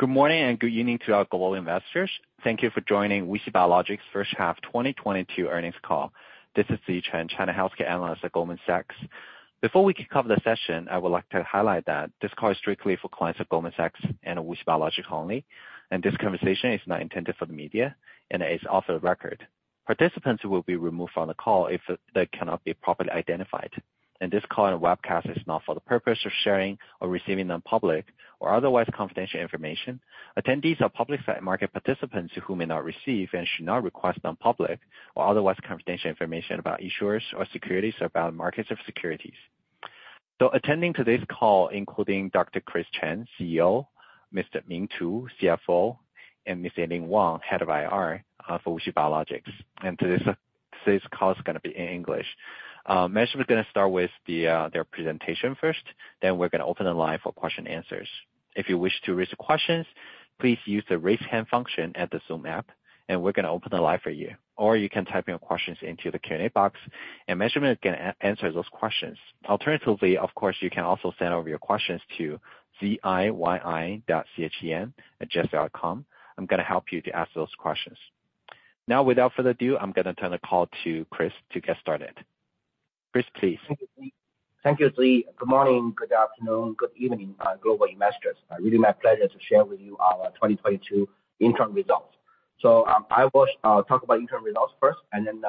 Good morning and good evening to our global investors. Thank you for joining WuXi Biologics First Half 2022 Earnings Call. This is Ziyi Chen, China healthcare analyst at Goldman Sachs. Before we kick off the session, I would like to highlight that this call is strictly for clients of Goldman Sachs and WuXi Biologics only, and this conversation is not intended for the media and is off the record. Participants will be removed from the call if they cannot be properly identified. This call and webcast is not for the purpose of sharing or receiving non-public or otherwise confidential information. Attendees are public market participants who may not receive and should not request non-public or otherwise confidential information about issuers or securities or about markets or securities. Attending today's call including Dr. Chris Chen, CEO, Mr. Ming Tu, CFO, and Ms. Eileen Wang, Head of IR, for WuXi Biologics. Today's call is gonna be in English. Management is gonna start with their presentation first, then we're gonna open the line for question and answers. If you wish to raise questions, please use the Raise Hand function at the Zoom app, and we're gonna open the line for you. Or you can type in your questions into the Q&A box and management can answer those questions. Alternatively, of course, you can also send over your questions to ziyi.chen@gs.com. I'm gonna help you to ask those questions. Now without further ado, I'm gonna turn the call to Chris to get started. Chris, please. Thank you, Ziyi. Good morning, good afternoon, good evening, global investors. Really my pleasure to share with you our 2022 interim results. I will talk about interim results first, and then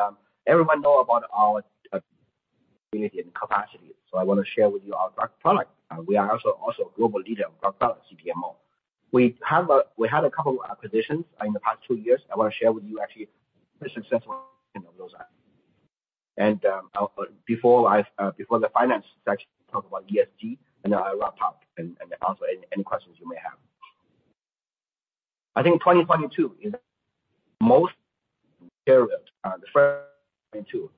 everyone know about our capability and capacity. I want to share with you our progress. We are also a global leader of CDMO. We had a couple acquisitions in the past two years. I want to share with you actually the success of those. Before the finance section, talk about ESG and then I wrap up and answer any questions you may have. I think 2022 is the first two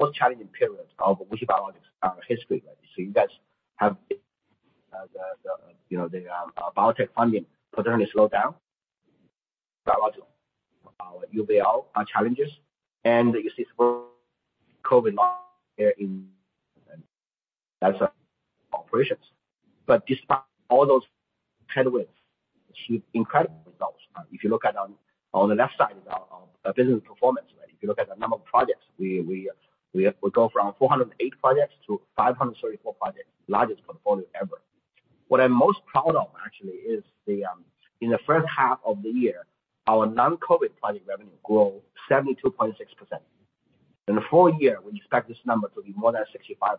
most challenging periods of WuXi Biologics history. You guys have the biotech funding potentially slow down. WuXi Biologics, our UVL challenges and you see COVID in terms of operations. Despite all those headwinds, achieve incredible results. If you look at on the left side is our business performance. If you look at the number of projects, we go from 408 projects-534 projects. Largest portfolio ever. What I'm most proud of actually is the in the first half of the year, our non-COVID project revenue grow 72.6%. In the full year, we expect this number to be more than 65%.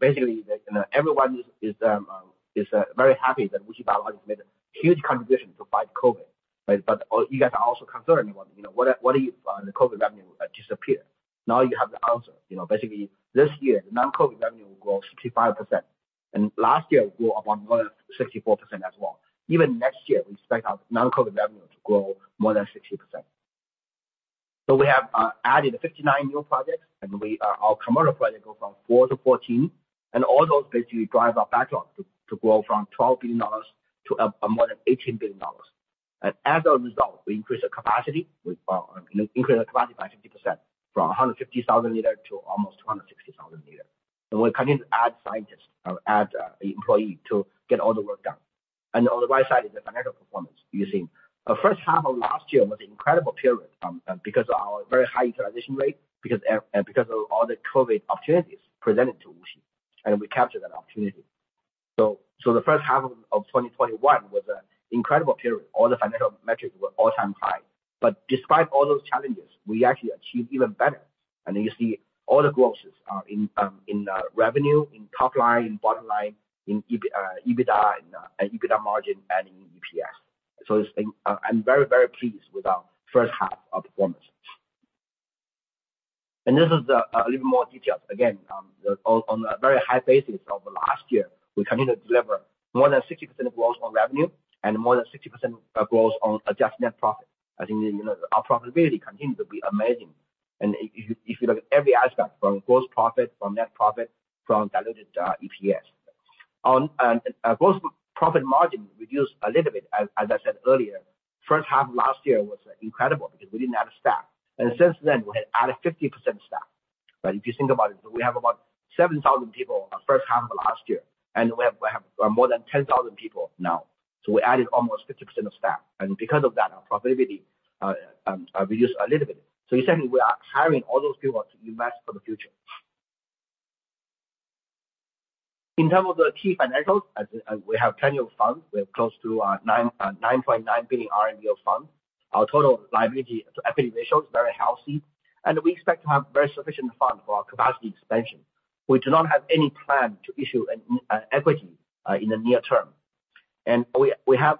Basically, you know, everyone is very happy that WuXi Biologics has made a huge contribution to fight COVID, right? You guys are also concerned, you know, what the COVID revenue disappear. Now you have the answer. You know, basically this year, the non-COVID revenue will grow 65%, and last year it grew about more than 64% as well. Even next year, we expect our non-COVID revenue to grow more than 60%. We have added 59 new projects and our commercial project go from 4-14. All those basically drive our backlog to grow from $12 billion to more than $18 billion. As a result, we increase our capacity. We increase our capacity by 50% from a 150,000-liter to almost 260,000-liter. We continue to add scientists or add employee to get all the work done. On the right side is the financial performance you're seeing. First half of last year was an incredible period, because of our very high utilization rate, because of all the COVID opportunities presented to WuXi and we captured that opportunity. So the first half of 2021 was an incredible period. All the financial metrics were all-time high. Despite all those challenges, we actually achieved even better. You see all the growths in revenue, in top line, in bottom line, in EBITDA and EBITDA margin and in EPS. It's been. I'm very, very pleased with our first half of performance. This is a little more detail. Again, on a very high basis of last year, we continue to deliver more than 60% growth on revenue and more than 60% growth on adjusted net profit. I think, you know, our profitability continues to be amazing. If you look at every aspect from gross profit from net profit from diluted EPS. Gross profit margin reduced a little bit. As I said earlier, first half of last year was incredible because we didn't add staff. Since then, we had added 50% staff. If you think about it, we have about 7,000 people first half of last year, and we have more than 10,000 people now. We added almost 50% of staff. Because of that, our profitability reduced a little bit. Essentially, we are hiring all those people to invest for the future. In terms of the key financials, as we have plenty of funds, we have close to 9.9 billion R&D funds. Our total liability to equity ratio is very healthy, and we expect to have very sufficient fund for our capacity expansion. We do not have any plan to issue any equity in the near term. We have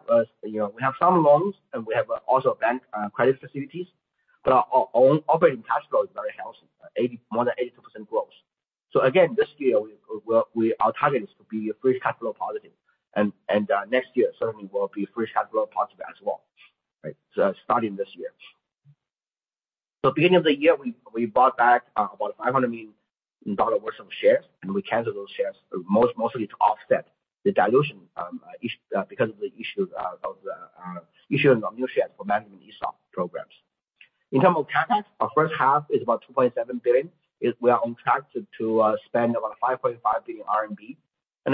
some loans and we have also bank credit facilities, but our own operating cash flow is very healthy, more than 82% growth. This year our target is to be free cash flow positive and next year certainly will be free cash flow positive as well, right? Starting this year. Beginning of the year, we bought back about $500 million worth of shares, and we canceled those shares mostly to offset the dilution because of the issue of issuing of new shares for management ESOP programs. In terms of CapEx, our first half is about 2.7 billion. We are on track to spend about 5.5 billion RMB.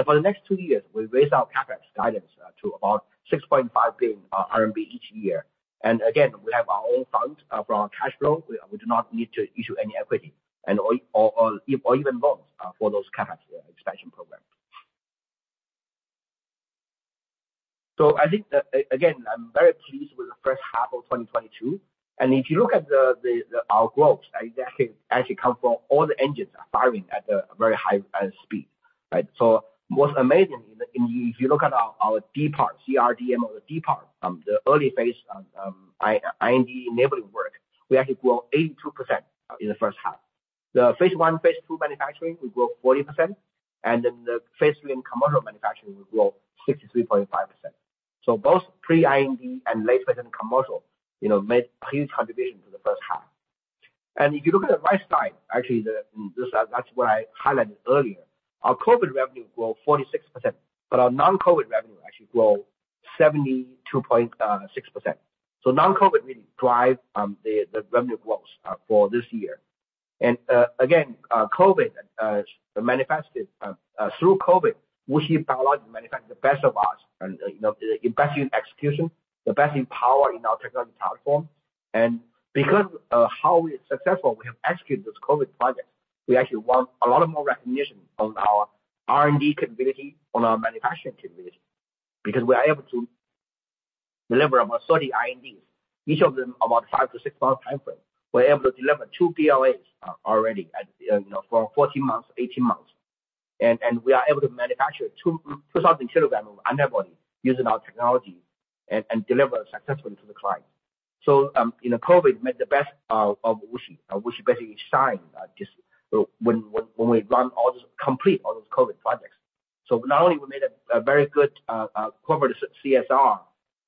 For the next two years, we raised our CapEx guidance to about 6.5 billion RMB each year. Again, we have our own funds from our cash flow. We do not need to issue any equity or even loans for those CapEx expansion programs. I think again, I'm very pleased with the first half of 2022. If you look at our growth, actually come from all the engines are firing at a very high speed, right? What's amazing, if you look at our DS part, CRDMO or the DS part, the early phase IND enabling work, we actually grew 82% in the first half. The phase I, phase II manufacturing, we grew 40%, and then the phase III and commercial manufacturing, we grew 63.5%. Both pre-IND and late phase and commercial, you know, made huge contribution to the first half. If you look at the right side, actually this, that's what I highlighted earlier. Our COVID revenue grew 46%, but our non-COVID revenue actually grew 72.6%. Non-COVID really drive the revenue growth for this year. Again, COVID manifested through COVID. WuXi Biologics manufactured the best in us and, you know, the best in execution, the best in power in our technology platform. Because how successful we are, we have executed this COVID project. We actually gained a lot more recognition on our R&D capability, on our manufacturing capability, because we are able to deliver about 30 INDs, each of them about 5-6 month timeframe. We're able to deliver two BLAs already in 14 months, 18 months. We are able to manufacture 2,000 kilograms of antibody using our technology and deliver successfully to the client. COVID made the best out of WuXi Biologics. WuXi Biologics basically shined when we completed all those COVID projects. Not only we made a very good COVID CSR,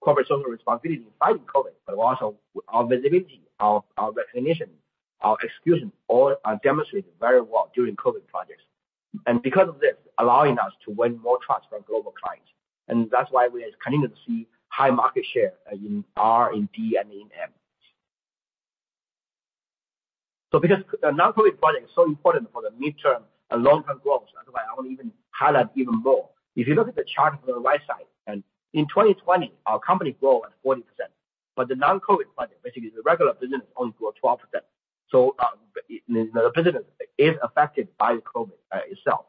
corporate social responsibility fighting COVID, but also our visibility, our recognition, our execution, all are demonstrated very well during COVID projects. Because of this, allowing us to win more trust from global clients, and that's why we are continuing to see high market share in R&D and in M. Because the non-COVID project is so important for the midterm and long-term growth, that's why I wanna even highlight even more. If you look at the chart on the right side, in 2020, our company grew at 40%, but the non-COVID project, basically the regular business, only grew 12%. The business is affected by the COVID itself.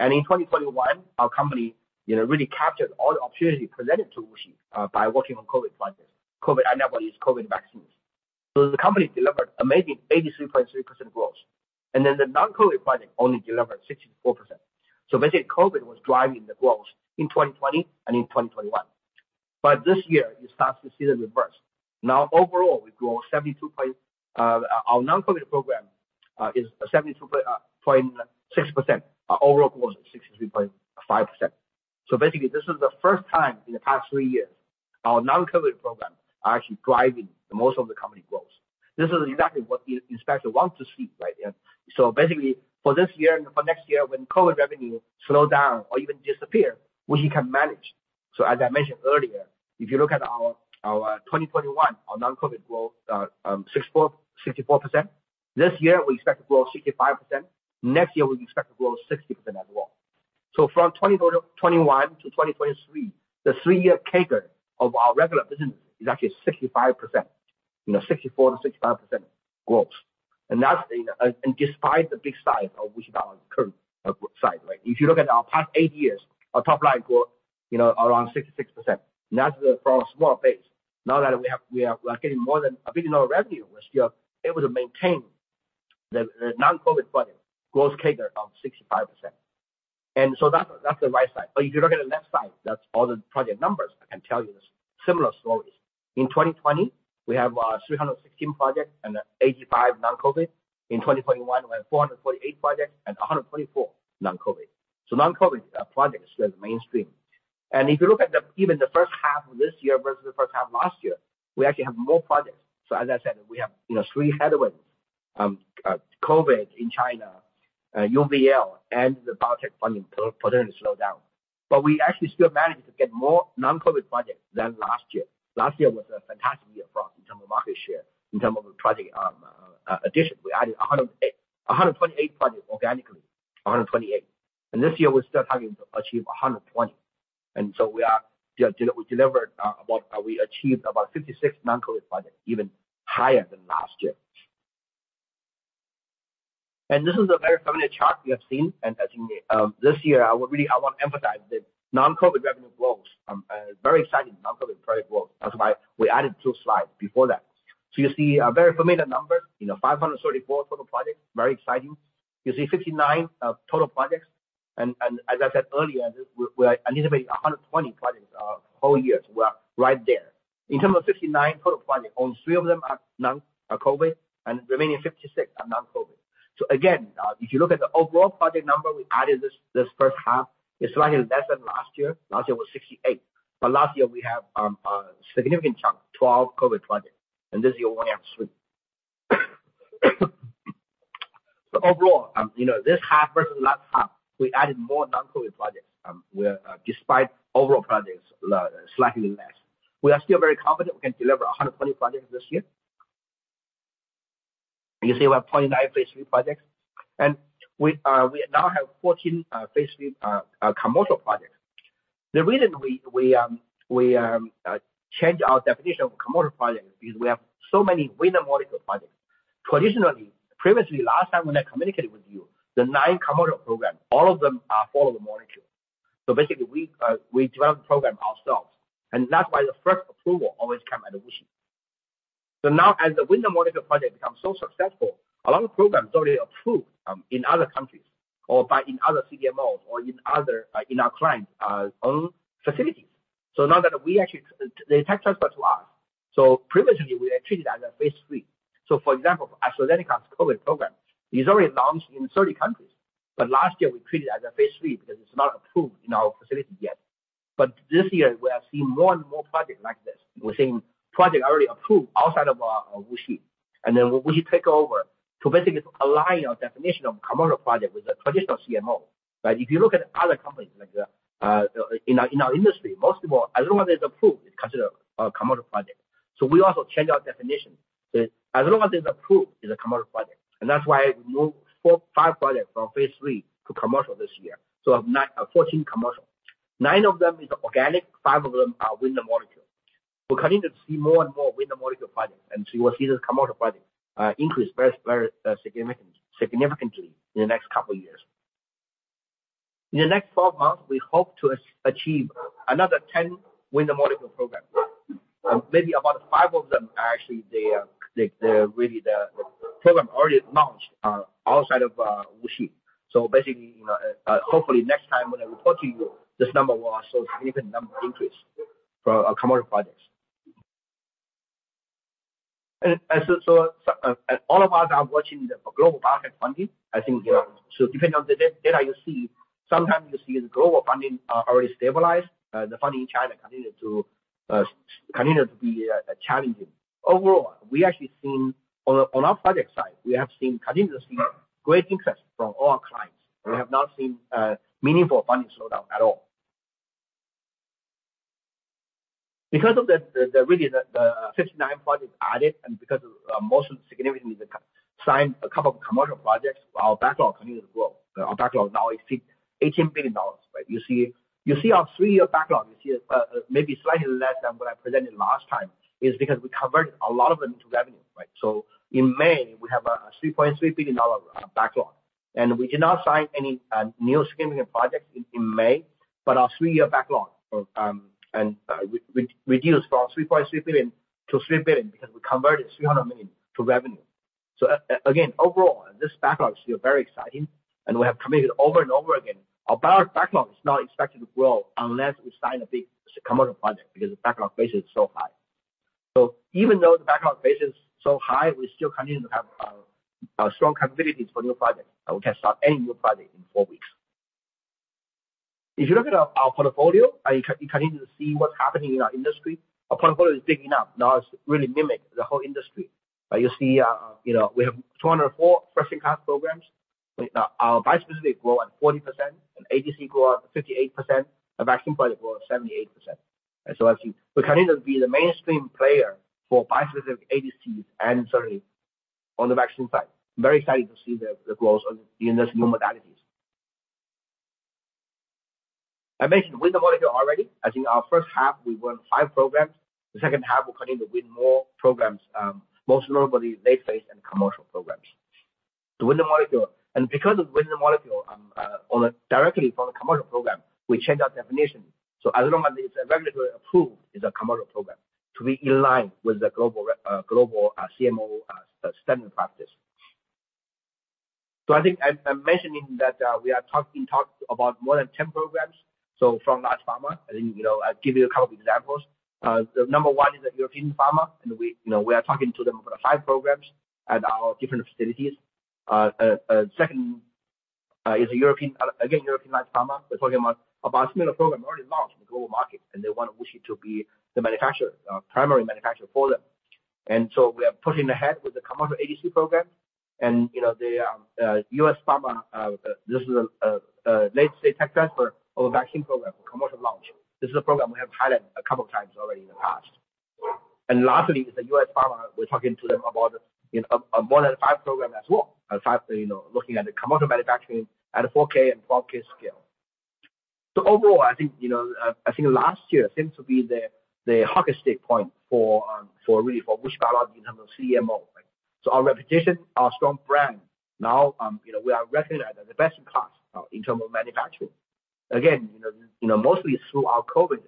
In 2021, our company, you know, really captured all the opportunity presented to WuXi Biologics by working on COVID projects, COVID antibodies, COVID vaccines. The company delivered amazing 83.3% growth. Then the non-COVID project only delivered 64%. Basically, COVID was driving the growth in 2020 and in 2021. This year you start to see the reverse. Now, overall, we grow 72.6%. Our non-COVID program is 72.6%. Our overall growth is 63.5%. Basically, this is the first time in the past three years our non-COVID program are actually driving the most of the company growth. This is exactly what the investor want to see right there. Basically, for this year and for next year, when COVID revenue slow down or even disappear, WuXi Biologics can manage. As I mentioned earlier, if you look at our 2021, our non-COVID growth, 64%. This year, we expect to grow 65%. Next year, we expect to grow 60% as well. From 2021 to 2023, the three-year CAGR of our regular business is actually 65%, you know, 64%-65% growth. That's, you know, despite the big size of WuXi's current size, right? If you look at our past eight years, our top line growth, you know, around 66%, and that's from a small base. Now that we are getting more than $1 billion revenue, we're still able to maintain the non-COVID business growth CAGR of 65%. That's the right side. If you look at the left side, that's all the project numbers. I can tell you the similar stories. In 2020, we have 316 projects and 85 non-COVID. In 2021, we have 448 projects and 124 non-COVID. So non-COVID projects was mainstream. If you look at even the first half of this year versus the first half of last year, we actually have more projects. As I said, you know, we have three headwinds, COVID in China, UVL and the biotech funding potentially slow down. We actually still managed to get more non-COVID projects than last year. Last year was a fantastic year for us in terms of market share, in terms of project addition. We added 128 projects organically, 128. This year we're still targeting to achieve 120. We achieved about 56 non-COVID projects, even higher than last year. This is a very familiar chart we have seen. I think this year, I would really, I want to emphasize the non-COVID revenue growth, very exciting non-COVID project growth. That's why we added two slides before that. You see a very familiar number, 534 total projects, very exciting. You see 59 total projects. As I said earlier, we're anticipating 120 projects whole year. We are right there. In terms of 59 total projects, only three of them are non-COVID and remaining 56 are non-COVID. Again, if you look at the overall project number we added this first half, it's slightly less than last year. Last year was 68, but last year we have significant chunk, 12 COVID projects, and this year we only have three. Overall, you know, this half versus last half, we added more non-COVID projects, where, despite overall projects slightly less. We are still very confident we can deliver 120 projects this year. You see we have 29 phase III projects, and we now have 14 phase III commercial projects. The reason we change our definition of commercial projects is we have so many Win-the-Molecule projects. Previously, last time when I communicated with you, the nine commercial programs all are Follow-the-Molecule. Basically we develop the programs ourselves, and that's why the first approval always come out of WuXi. Now as the Win-the-Molecule project becomes so successful, a lot of programs already approved in other countries or by other CDMOs or in our clients' own facilities. Now the tech transfer to us. Previously we treated as a phase III. For example, AstraZeneca's COVID program is already launched in 30 countries, but last year we treated it as a phase III because it's not approved in our facility yet. This year we have seen more and more projects like this. We're seeing projects already approved outside of WuXi. WuXi take over to basically align our definition of commercial project with the traditional CMO. If you look at other companies like in our industry, most of all, as long as it's approved, it's considered a commercial project. We also change our definition. As long as it's approved, it's a commercial project. That's why we moved 4-5 projects from phase III to commercial this year. 9-14 commercial. Nine of them is organic, five of them are Win-the-Molecule. We're continuing to see more and more Win-the-Molecule projects, and you will see this commercial projects increase very significantly in the next couple of years. In the next 12 months, we hope to achieve another 10 Win-the-Molecule programs. Maybe about five of them are actually the real programs already launched outside of WuXi. Basically, you know, hopefully next time when I report to you, this number will show significant number increase for our commercial projects. All of us are watching the global market funding. I think, you know, depending on the data you see, sometimes you see the global funding already stabilized, the funding in China continued to be challenging. Overall, we actually seen on our project side, we have seen continuously great interest from all our clients. We have not seen meaningful funding slowdown at all. Because of the 59 projects added, and because of most significantly we signed a couple of commercial projects, our backlog continued to grow. Our backlog now is $18 billion, right? You see our three-year backlog. You see, maybe slightly less than what I presented last time is because we converted a lot of them to revenue, right? In May, we have a $3.3 billion backlog. We did not sign any new significant projects in May, but our three-year backlog reduced from $3.3 billion-$3 billion because we converted $300 million to revenue. Again, overall, this backlog is still very exciting and we have committed over and over again. Our backlog is not expected to grow unless we sign a big commercial project because the backlog base is so high. Even though the backlog base is so high, we still continue to have a strong capabilities for new projects. We can start any new project in four weeks. If you look at our portfolio, I continue to see what's happening in our industry. Our portfolio is big enough, now it's really mimic the whole industry. You see, you know, we have 204 first-in-class programs. Our bispecific grow at 40% and ADC grow at 58%. The vaccine project grow at 78%. We continue to be the mainstream player for bispecific ADCs and certainly on the vaccine side. Very excited to see the growth in this new modalities. I mentioned Win-the-Molecule already. I think our first half, we won five programs. The second half, we continue to win more programs, most notably late phase and commercial programs. The Win-the-Molecule, because Win-the-Molecule, one directly from a commercial program, we changed our definition. As long as it's regulatory approved, it's a commercial program to be in line with the global CMO standard practice. I think I'm mentioning that, we are talking about more than 10 programs. From large pharma, I think, you know, I'll give you a couple of examples. The number one is a European pharma, and we, you know, we are talking to them about five programs at our different facilities. Second is a European, again, European large pharma. We're talking about similar program already launched in the global market, and they want WuXi to be the manufacturer, primary manufacturer for them. We are pushing ahead with the commercial ADC program and, you know, the U.S. pharma, this is let's say tech transfer of a vaccine program for commercial launch. This is a program we have highlighted a couple of times already in the past. The U.S. pharma, we're talking to them about in more than five program as well. In fact, you know, looking at the commercial manufacturing at a 4K and 4K scale. Overall, I think, you know, I think last year seems to be the hockey stick point for really for WuXi Biologics in terms of CMO, right? Our reputation, our strong brand now, we are recognized as the best in class in terms of manufacturing. Mostly through our COVID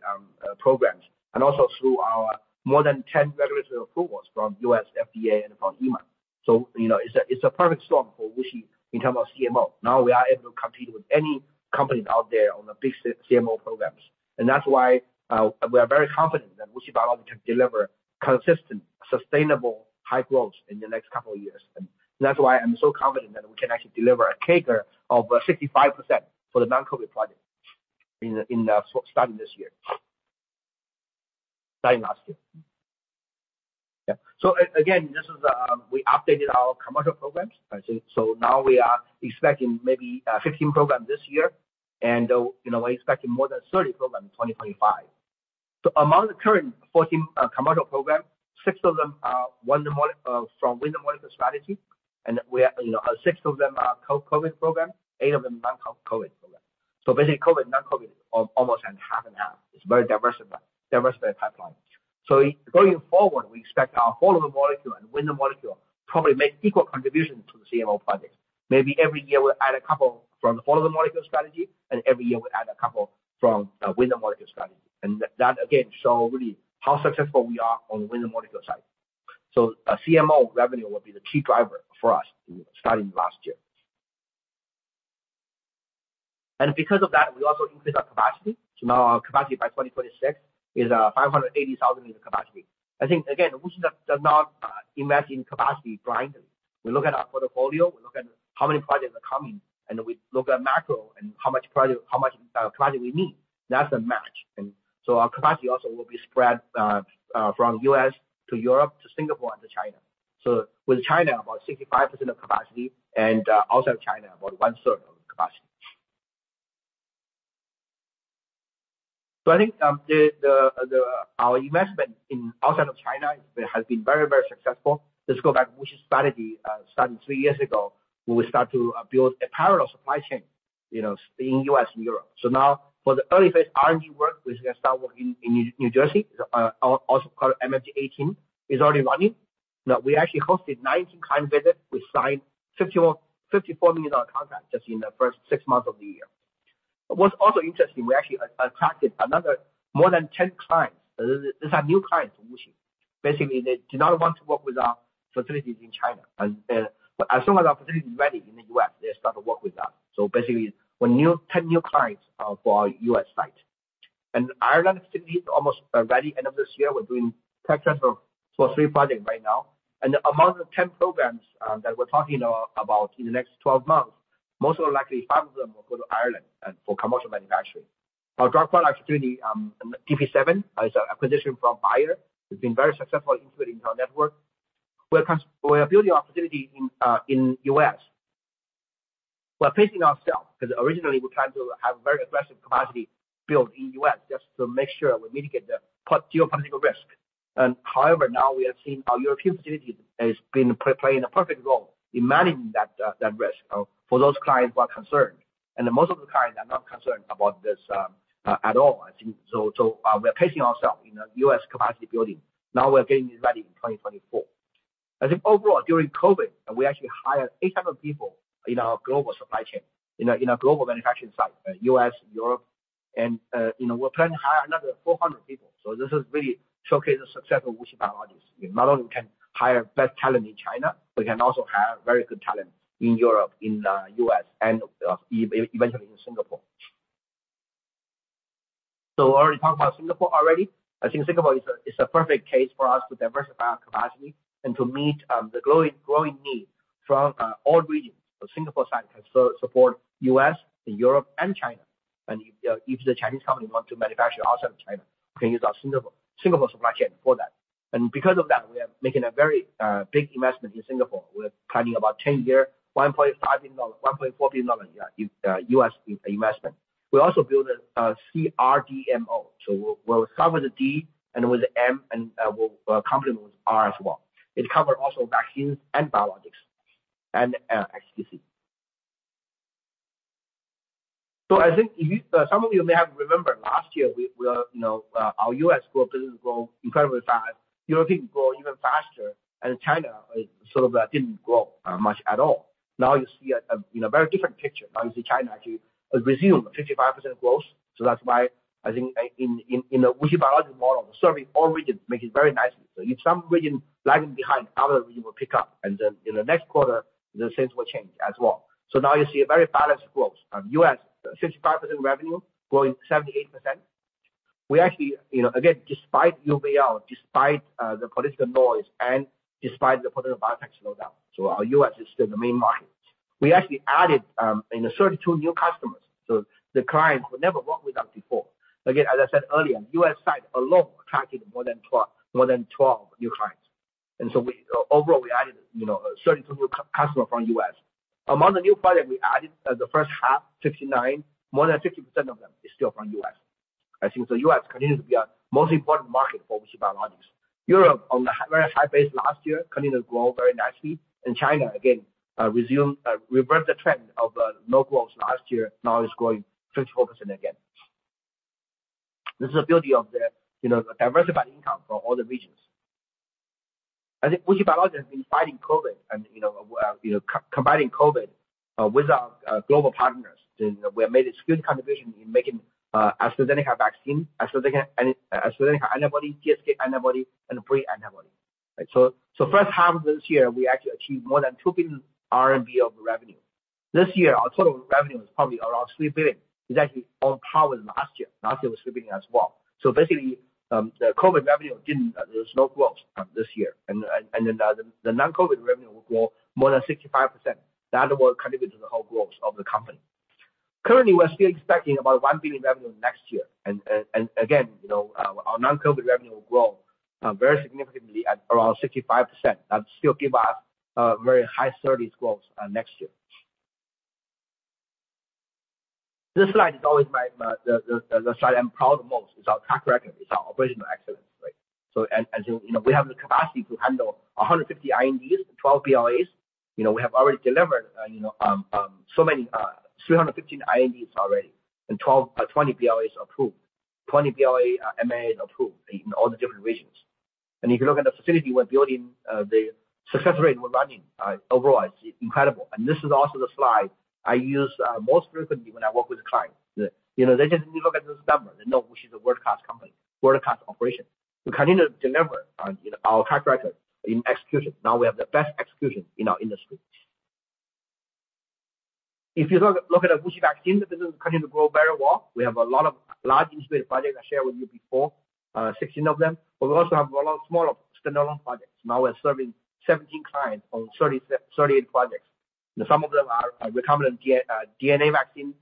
programs and also through our more than 10 regulatory approvals from U.S. FDA and from EMA. It's a perfect storm for WuXi Biologics in terms of CMO. Now we are able to compete with any company out there on the big CMO programs. That's why we are very confident that WuXi Biologics can deliver consistent, sustainable high growth in the next couple of years. That's why I'm so confident that we can actually deliver a CAGR of 55% for the non-COVID projects starting last year. Again, this is we updated our commercial programs. I think so. Now we are expecting maybe 15 programs this year, and you know, we're expecting more than 30 programs in 2025. Among the current 14 commercial programs, six of them are Win-the-Molecule strategy, and we are, you know, six of them are COVID programs, eight of them non-COVID programs. Basically COVID, non-COVID, almost on half and half. It's very diversified pipeline. Going forward, we expect our Follow-the-Molecule and Win-the-Molecule probably make equal contributions to the CMO projects. Maybe every year we'll add a couple from the Follow-the-Molecule strategy, and every year we'll add a couple from the Win-the-Molecule strategy. That again show really how successful we are on Win-the-Molecule side. CMO revenue will be the key driver for us starting last year. Because of that, we also increase our capacity. Now our capacity by 2026 is 580,000 unit capacity. I think again, we should not invest in capacity blindly. We look at our portfolio, we look at how many projects are coming, and we look at macro and how much project we need. That's a match. Our capacity also will be spread from U.S. to Europe to Singapore to China. With China about 65% of capacity and outside China about one-third of capacity. I think our investment in outside of China has been very, very successful. Let's go back. We should study starting three years ago, we start to build a parallel supply chain, you know, in U.S. and Europe. Now for the early phase R&D work, we're gonna start working in New Jersey, also called MFG18, is already running. Now we actually hosted 19 client visits. We signed $54 million contract just in the first six months of the year. What's also interesting, we actually attracted another more than 10 clients. These are new clients pushing. Basically, they do not want to work with our facilities in China. As soon as our facility is ready in the U.S., they'll start to work with us. Basically, we're new, 10 new clients for our U.S. site. Ireland site is almost ready end of this year. We're doing tech transfer for three projects right now. Among the 10 programs that we're talking about in the next 12 months, most likely five of them will go to Ireland for commercial manufacturing. Our drug product activity, DP7 is acquisition from Bayer, has been very successful into our network. We are building opportunity in U.S. We're pacing ourselves because originally we tried to have very aggressive capacity built in U.S. just to make sure we mitigate the geopolitical risk. However, now we have seen our European facilities has been playing a perfect role in managing that risk for those clients who are concerned. Most of the clients are not concerned about this at all, I think. We're pacing ourselves in a U.S. capacity building. Now we're getting ready in 2024. I think overall, during COVID, we actually hired 800 people in our global supply chain, in our global manufacturing site, U.S., Europe. You know, we're planning to hire another 400 people. This is really showcase the success of WuXi Biologics. Not only we can hire best talent in China, we can also hire very good talent in Europe, in U.S. and eventually in Singapore. Already talked about Singapore. I think Singapore is a perfect case for us to diversify our capacity and to meet the growing need from all regions. Singapore site can support U.S., Europe and China. If the Chinese company want to manufacture outside of China, can use our Singapore supply chain for that. Because of that, we are making a very big investment in Singapore. We're planning about 10-year, $1.5 billion, $1.4 billion, yeah, U.S. investment. We also build a CRDMO. We'll cover the D and with the M and we'll complement with R as well. It cover also vaccines and biologics and ADC. I think some of you may have remembered last year, we you know our U.S. business grow incredibly fast. European grow even faster. China sort of didn't grow much at all. Now you see a you know very different picture. Now you see China actually resume 55% growth. That's why I think in you know WuXi Biologics model, serving all regions make it very nicely. If some region lagging behind, other region will pick up and then in the next quarter, the things will change as well. Now you see a very balanced growth. U.S. 65% revenue growing 78%. We actually, you know, again, despite UVL, despite the political noise and despite the political biotech slowdown, our U.S. is still the main market. We actually added, you know, 32 new customers. The clients who never worked with us before. Again, as I said earlier, U.S. side alone attracted more than 12 new clients. We overall added, you know, 32 new customer from U.S. Among the new project we added, the first half, 59, more than 50% of them is still from U.S. I think the U.S. continues to be our most important market for WuXi Biologics. Europe on a very high base last year continued to grow very nicely. China again reversed the trend of low growth last year. Now it's growing 54% again. This is the beauty of the, you know, diversifying income for all the regions. I think WuXi Biologics been fighting COVID and, you know, combating COVID with our global partners. We have made a huge contribution in making AstraZeneca vaccine, AstraZeneca antibody, GSK antibody, and Vir antibody. First half of this year, we actually achieved more than 2 billion RMB of revenue. This year, our total revenue is probably around 3 billion. It's actually on par with last year. Last year was 3 billion as well. Basically, the COVID revenue didn't—there's no growth this year. The non-COVID revenue will grow more than 65%. That will contribute to the whole growth of the company. Currently, we're still expecting about 1 billion revenue next year. You know, our non-COVID revenue will grow very significantly at around 65%. That still give us very high 30s growth next year. This slide is always the slide I'm proud of the most. It's our track record. It's our operational excellence, right? You know, we have the capacity to handle 150 INDs, 12 BLAs. You know, we have already delivered 315 INDs already, and 120 BLAs approved. 20 BLAs, 20 MAAs approved in all the different regions. If you look at the facility we're building, the success rate we're running overall is incredible. This is also the slide I use most frequently when I work with a client. You know, they just need to look at this number. They know WuXi is a world-class company, world-class operation. We continue to deliver, you know, our track record in execution. Now we have the best execution in our industry. If you look at the WuXi Vaccines, the business continue to grow very well. We have a lot of large integrated projects I shared with you before, 16 of them. But we also have a lot of smaller standalone projects. Now we're serving 17 clients on 38 projects. Some of them are recombinant DNA vaccines,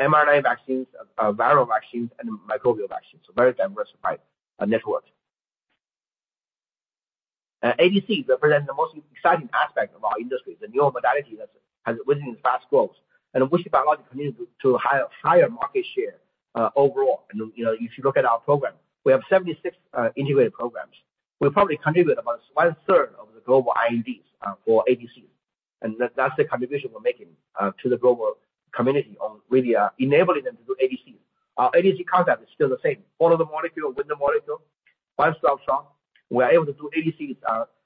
mRNA vaccines, viral vaccines, and microbial vaccines. Very diversified network. ADC represents the most exciting aspect of our industry. The new modality that's has witnessed fast growth. WuXi Biologics continues to higher market share overall. You know, if you look at our program, we have 76 integrated programs. We probably contribute about one-third of the global INDs for ADCs. That's the contribution we're making to the global community on really enabling them to do ADCs. Our ADC concept is still the same. Follow-the-Molecule, Win-the-Molecule. One-stop shop. We're able to do ADCs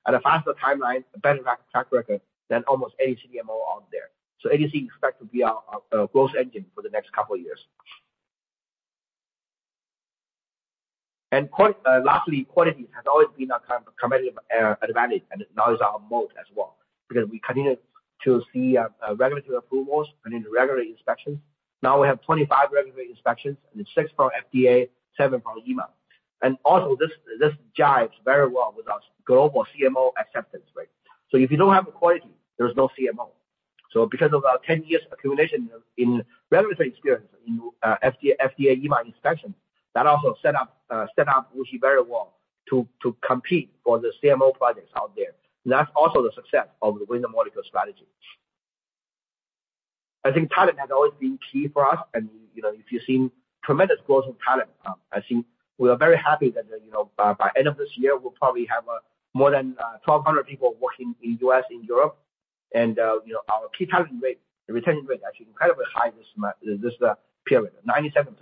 at a faster timeline, a better track record than almost any CDMO out there. ADC expects to be our growth engine for the next couple of years. Lastly, quality has always been our competitive advantage and now is our moat as well, because we continue to see regulatory approvals and regulatory inspections. Now we have 25 regulatory inspections, and six from FDA, seven from EMA. This jibes very well with our global CMO acceptance rate. If you don't have the quality, there's no CMO. Because of our 10 years accumulation in regulatory experience in FDA, EMA inspections, that also set up WuXi very well to compete for the CMO projects out there. That's also the success of the Win-the-Molecule strategy. I think talent has always been key for us and, you know, if you've seen tremendous growth in talent, I think we are very happy that, you know, by end of this year, we'll probably have more than 1,200 people working in U.S., in Europe. You know, our key talent rate, the retention rate is actually incredibly high this period, 97%.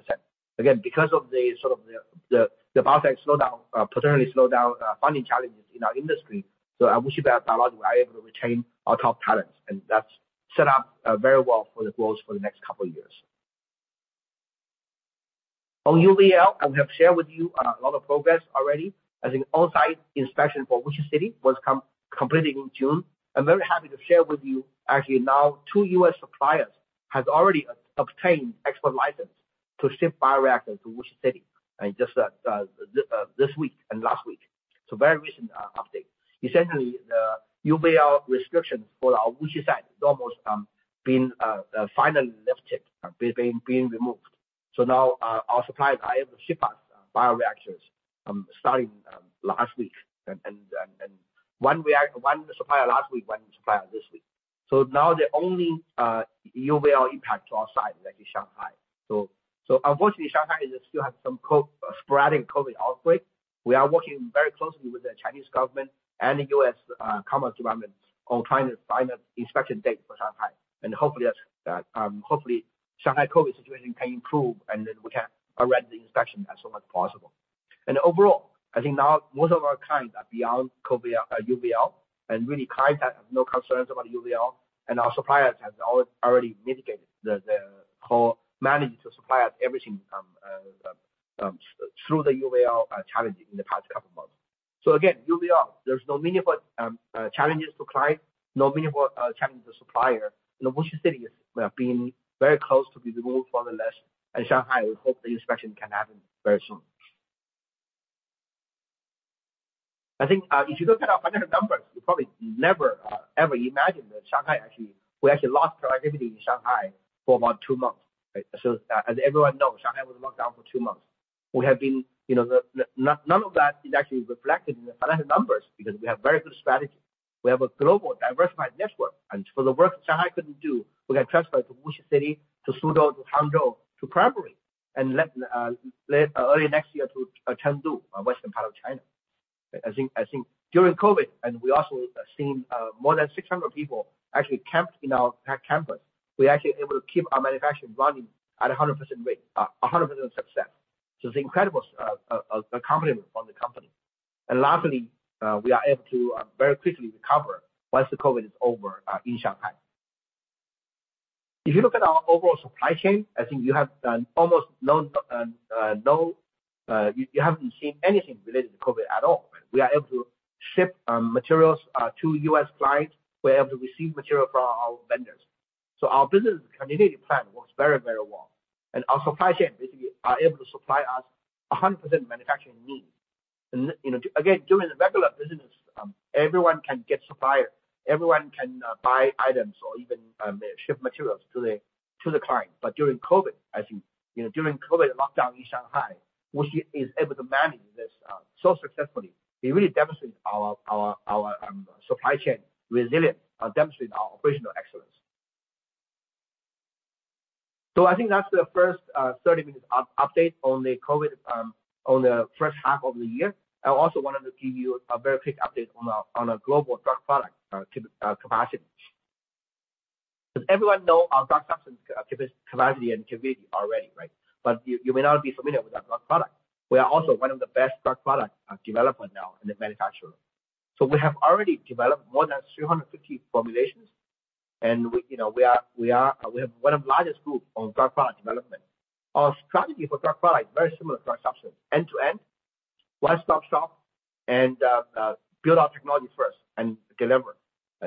Again, because of the sort of the biotech slowdown, potentially slowdown, funding challenges in our industry. At WuXi Biologics, we're able to retain our top talents, and that's set up very well for the growth for the next couple of years. On UVL, I have shared with you a lot of progress already. I think on-site inspection for WuXi City was completed in June. I'm very happy to share with you actually now two U.S. suppliers has already obtained export license to ship bioreactors to WuXi City, and just, this week and last week. Very recent update. Essentially, the UVL restrictions for our WuXi site is almost being finally lifted, being removed. Now, our suppliers are able to ship us bioreactors starting last week. One supplier last week, one supplier this week. Now the only UVL impact to our site is actually Shanghai. Unfortunately, Shanghai is still have some sporadic COVID outbreak. We are working very closely with the Chinese government and the U.S. Department of Commerce on trying to find an inspection date for Shanghai. Hopefully, Shanghai COVID situation can improve, and then we can arrange the inspection as soon as possible. Overall, I think now most of our clients are beyond COVID, UVL, and really clients have no concerns about UVL, and our suppliers have already mitigated and managed to supply us everything through the UVL challenges in the past couple of months. Again, UVL, there's no meaningful challenges to client, no meaningful challenges to supplier. Wuxi City is being very close to be removed from the list. Shanghai, we hope the inspection can happen very soon. I think if you look at our financial numbers, you probably never ever imagined that Shanghai actually we actually lost productivity in Shanghai for about two months, right? As everyone knows, Shanghai was locked down for two months. None of that is actually reflected in the financial numbers because we have very good strategy. We have a global diversified network and for the work Shanghai couldn't do, we can transfer it to Wuxi City, to Suzhou, to Hangzhou, to [Primary], early next year to Chengdu, western part of China. I think during COVID we also have seen more than 600 people actually camped in our campus. We're actually able to keep our manufacturing running at a 100% rate, 100% success. It's incredible accomplishment from the company. Lastly, we are able to very quickly recover once the COVID is over in Shanghai. If you look at our overall supply chain, I think you haven't seen anything related to COVID at all. We are able to ship materials to U.S. clients. We're able to receive material from our vendors. Our business continuity plan works very, very well. Our supply chain basically are able to supply us 100% manufacturing needs. You know, again, during the regular business, everyone can get supplies, everyone can buy items or even ship materials to the client. During COVID, I think, you know, during COVID lockdown in Shanghai, WuXi is able to manage this so successfully. It really demonstrates our supply chain resilience, demonstrate our operational excellence. I think that's the first 30 minutes update on the COVID, on the first half of the year. I also wanted to give you a very quick update on a global drug product capacity. Does everyone know our drug substance capacity and capability already, right? You may not be familiar with our drug product. We are also one of the best drug product developer now and a manufacturer. We have already developed more than 350 formulations, and you know, we have one of the largest group on drug product development. Our strategy for drug product is very similar to our substance, end-to-end, one-stop shop and build our technology first and deliver.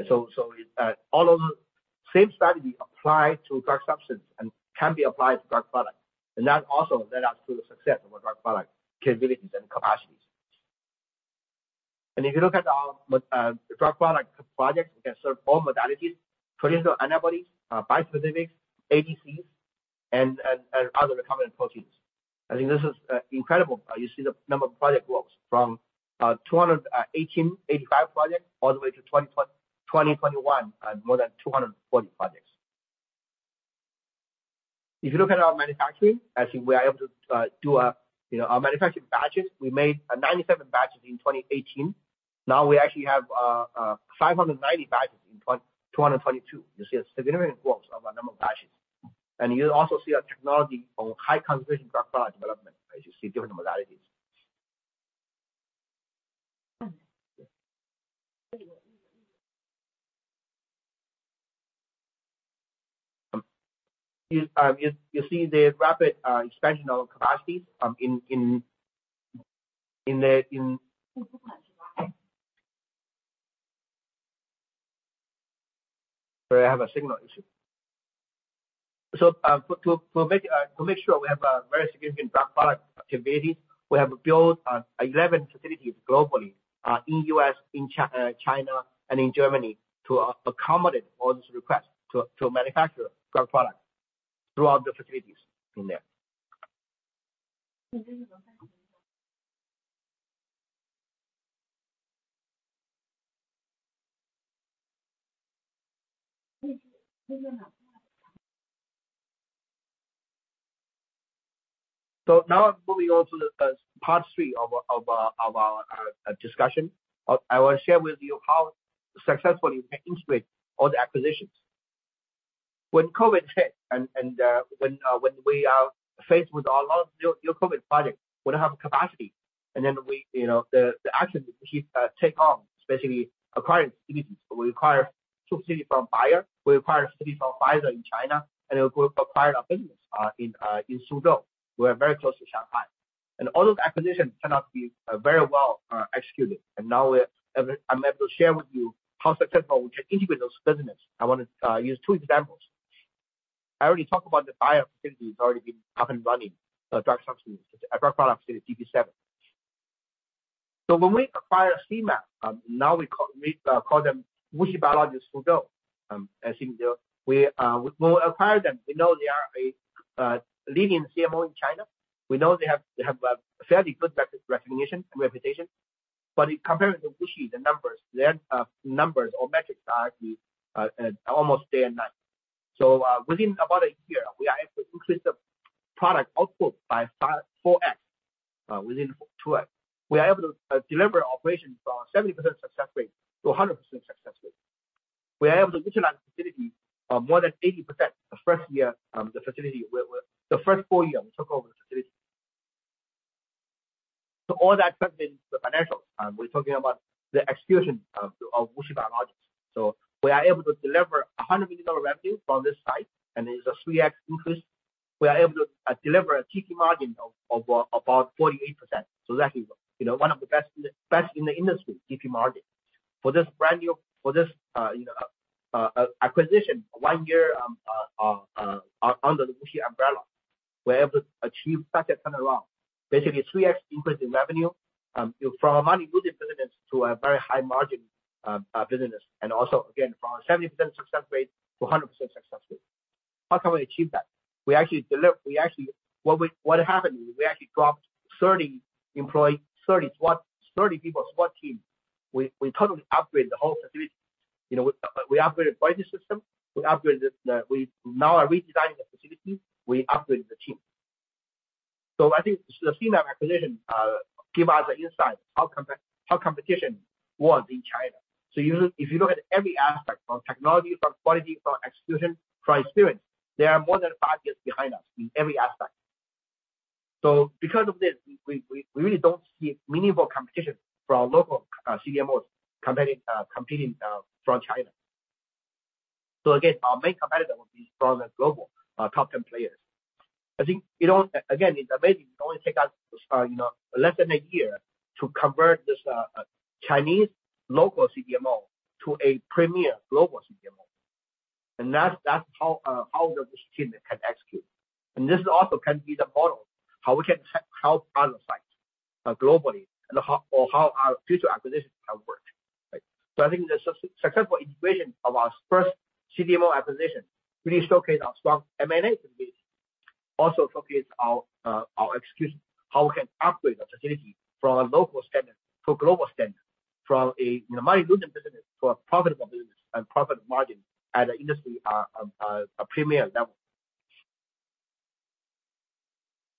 All of the same strategy apply to drug substance and can be applied to drug product. That also led us to the success of our drug product capabilities and capacities. If you look at our drug product projects, we can serve all modalities, traditional antibodies, bispecifics, ADCs and other recombinant proteins. I think this is incredible. You see the number of project growth from 2018, 85 projects all the way to 2021, more than 240 projects. If you look at our manufacturing, I think we are able to do, you know, our manufacturing batches. We made 97 batches in 2018. Now we actually have 590 batches in 2022. You see a significant growth of a number of batches. You'll also see our technology on high concentration drug product development, as you see different modalities. You see the rapid expansion of capacities. Sorry, I have a signal issue. To make sure we have a very significant drug product capability, we have built 11 facilities globally, in U.S., in China and in Germany to accommodate all these requests to manufacture drug products throughout the facilities in there. Now moving on to the part 3 of our discussion. I will share with you how successfully we integrate all the acquisitions. When COVID hit and when we are faced with a lot of new COVID project, we don't have capacity. We should take action, especially acquiring sites. We acquired two sites from Bayer. We acquired sites from Pfizer in China, and we acquired our business in Suzhou. We are very close to Shanghai. All those acquisitions turned out to be very well executed. Now we're able to share with you how successful we can integrate those business. I wanna use two examples. I already talked about the Bayer facilities already been up and running, drug substance, drug product DP7. When we acquired CMAB, now we call them WuXi Biologics Suzhou. We acquired them. We know they are a leading CMO in China. We know they have a fairly good recognition, reputation. In comparison to WuXi, the numbers, their, numbers or metrics are almost day and night. Within about a year, we are able to increase the product output by 4x within 2x. We are able to deliver operations from 70% success rate to a 100% success rate. We are able to utilize the facility more than 80% the first year, the facility. We're the first full year we took over the facility. All that translates to financials. We're talking about the execution of WuXi Biologics. We are able to deliver $100 million revenue from this site, and it is a 3x increase. We are able to deliver a GP margin of about 48%. That is, you know, one of the best in the industry GP margin. For this under the WuXi umbrella, we're able to achieve such a turnaround. Basically a 3x increase in revenue from a money-losing business to a very high margin business and also again from a 70% success rate to a 100% success rate. How can we achieve that? What happened is we actually dropped 30 people, SWAT team. We totally upgrade the whole facility. You know, we upgraded quality system. We now are redesigning the facilities. We upgraded the team. I think the CMAB acquisition gives us an insight how competition was in China. If you look at every aspect from technology, from quality, from execution, from experience, they are more than five years behind us in every aspect. Because of this, we really don't see meaningful competition from local CDMOs competing from China. Again, our main competitor will be from the global top ten players. I think, you know, again, it's amazing it only take us, you know, less than a year to convert this Chinese local CDMO to a premier global CDMO. That's how the team can execute. This also can be the model how we can help other sites globally and how our future acquisitions can work, right? I think the successful integration of our first CDMO acquisition really showcase our strong M&A capabilities, also showcase our execution, how we can upgrade the facility from a local standard to global standard, from you know, money-losing business to a profitable business and profit margin at an industry premier level.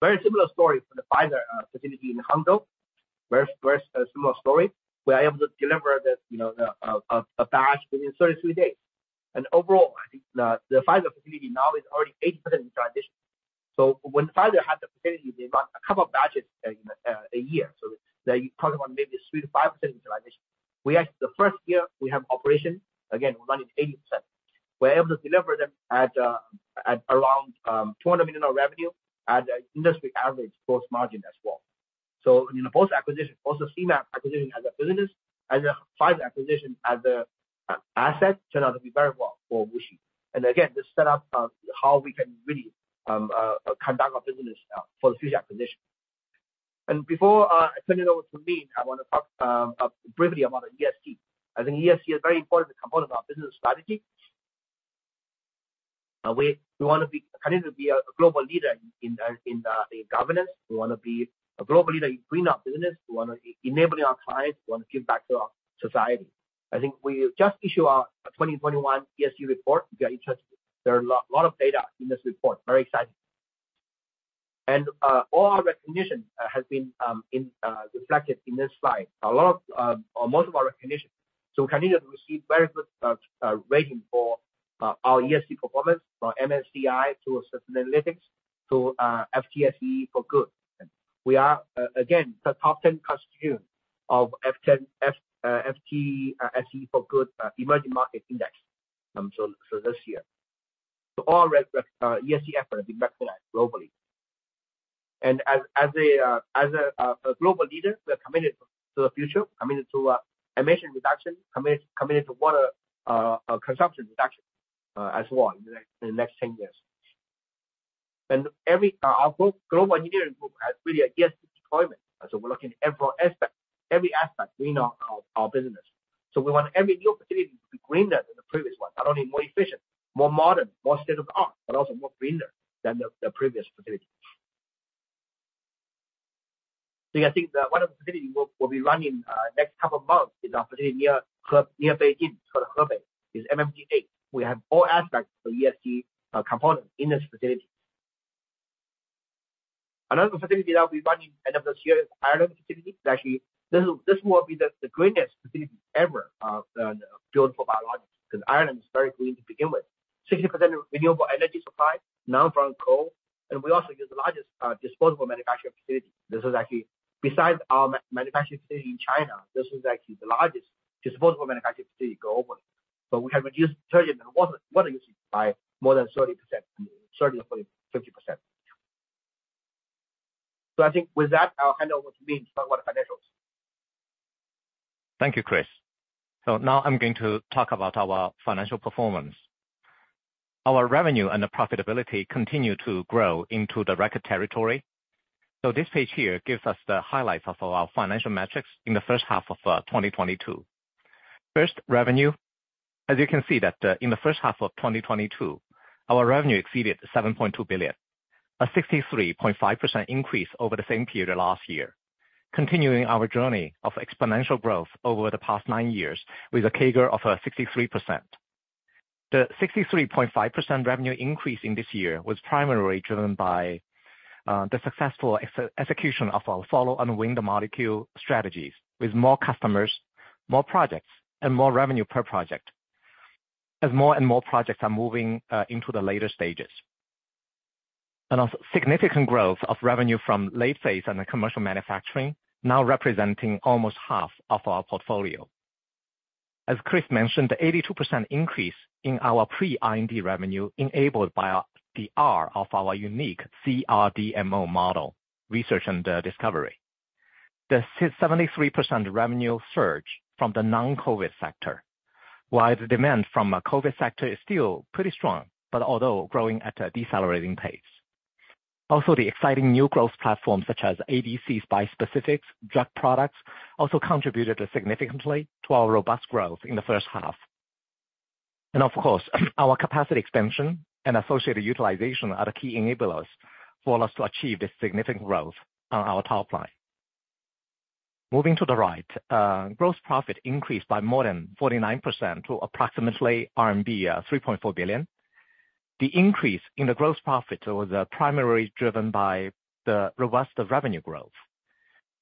Very similar story for the Pfizer facility in Hangzhou. Very, very similar story. We are able to deliver this, you know, a batch within 33 days. Overall, I think the Pfizer facility now is already 80% in transition. When Pfizer had the facility, they run a couple batches a year. They probably run maybe 3%-5% utilization. We actually the first year we have operation, again, running 80%. We're able to deliver them at around 200 million of revenue at the industry average gross margin as well. You know, both acquisitions, both the CMAB acquisition as a business and the Pfizer acquisition as an asset turn out to be very well for WuXi. Again, this set up how we can really conduct our business now for the future acquisition. Before I turn it over to Ming, I wanna talk briefly about ESG. I think ESG is very important component of our business strategy. We wanna continue to be a global leader in governance. We wanna be a global leader in greening our business. We wanna enable our clients, we wanna give back to our society. I think we just issue our 2021 ESG report, if you are interested. There are a lot of data in this report. Very exciting. All our recognition has been reflected in this slide. A lot of or most of our recognition. We continue to receive very good rating for our ESG performance from MSCI to Sustainalytics to FTSE4Good. We are again the top 10 constituent of FTSE4Good Emerging Index this year. All ESG efforts have been recognized globally. As a global leader, we are committed to the future, committed to emission reduction, committed to water consumption reduction as well in the next 10 years. Our global engineering group has really a ESG deployment. We're looking at every aspect greening our business. We want every new opportunity to be greener than the previous one. Not only more efficient, more modern, more state-of-the-art, but also more greener than the previous facility. Yeah, I think one of the facilities we'll be running next couple of months is our facility near Beijing, called Hebei, MFG8. We have all aspects of ESG component in this facility. Another facility that'll be running end of this year is Ireland facility. Actually, this will be the greenest facility ever built for biologics, because Ireland is very green to begin with. 60% of renewable energy supply, none from coal. We also use the largest disposable manufacturing facility. This is actually besides our manufacturing facility in China, this is actually the largest disposable manufacturing facility globally. We have reduced detergent and water usage by more than 30%, 30%-40%, 50%. I think with that, I'll hand over to Ming to talk about financials. Thank you, Chris. Now I'm going to talk about our financial performance. Our revenue and the profitability continue to grow into the record territory. This page here gives us the highlights of our financial metrics in the first half of 2022. First, revenue. As you can see that, in the first half of 2022, our revenue exceeded 7.2 billion, a 63.5% increase over the same period last year, continuing our journey of exponential growth over the past nine years with a CAGR of 63%. The 63.5% revenue increase in this year was primarily driven by the successful execution Follow-the-Molecule and Win-the-Molecule strategies with more customers, more projects, and more revenue per project, as more and more projects are moving into the later stages. A significant growth of revenue from late phase and the commercial manufacturing, now representing almost half of our portfolio. As Chris mentioned, the 82% increase in our pre-IND revenue enabled by the R&D of our unique CRDMO model, research and development. The 73% revenue surge from the non-COVID sector. While the demand from COVID sector is still pretty strong, but although growing at a decelerating pace. Also, the exciting new growth platforms such as ADCs, bispecifics, drug products, also contributed significantly to our robust growth in the first half. Of course, our capacity expansion and associated utilization are the key enablers for us to achieve this significant growth on our top line. Moving to the right, gross profit increased by more than 49% to approximately RMB 3.4 billion. The increase in the gross profit was primarily driven by the robust revenue growth,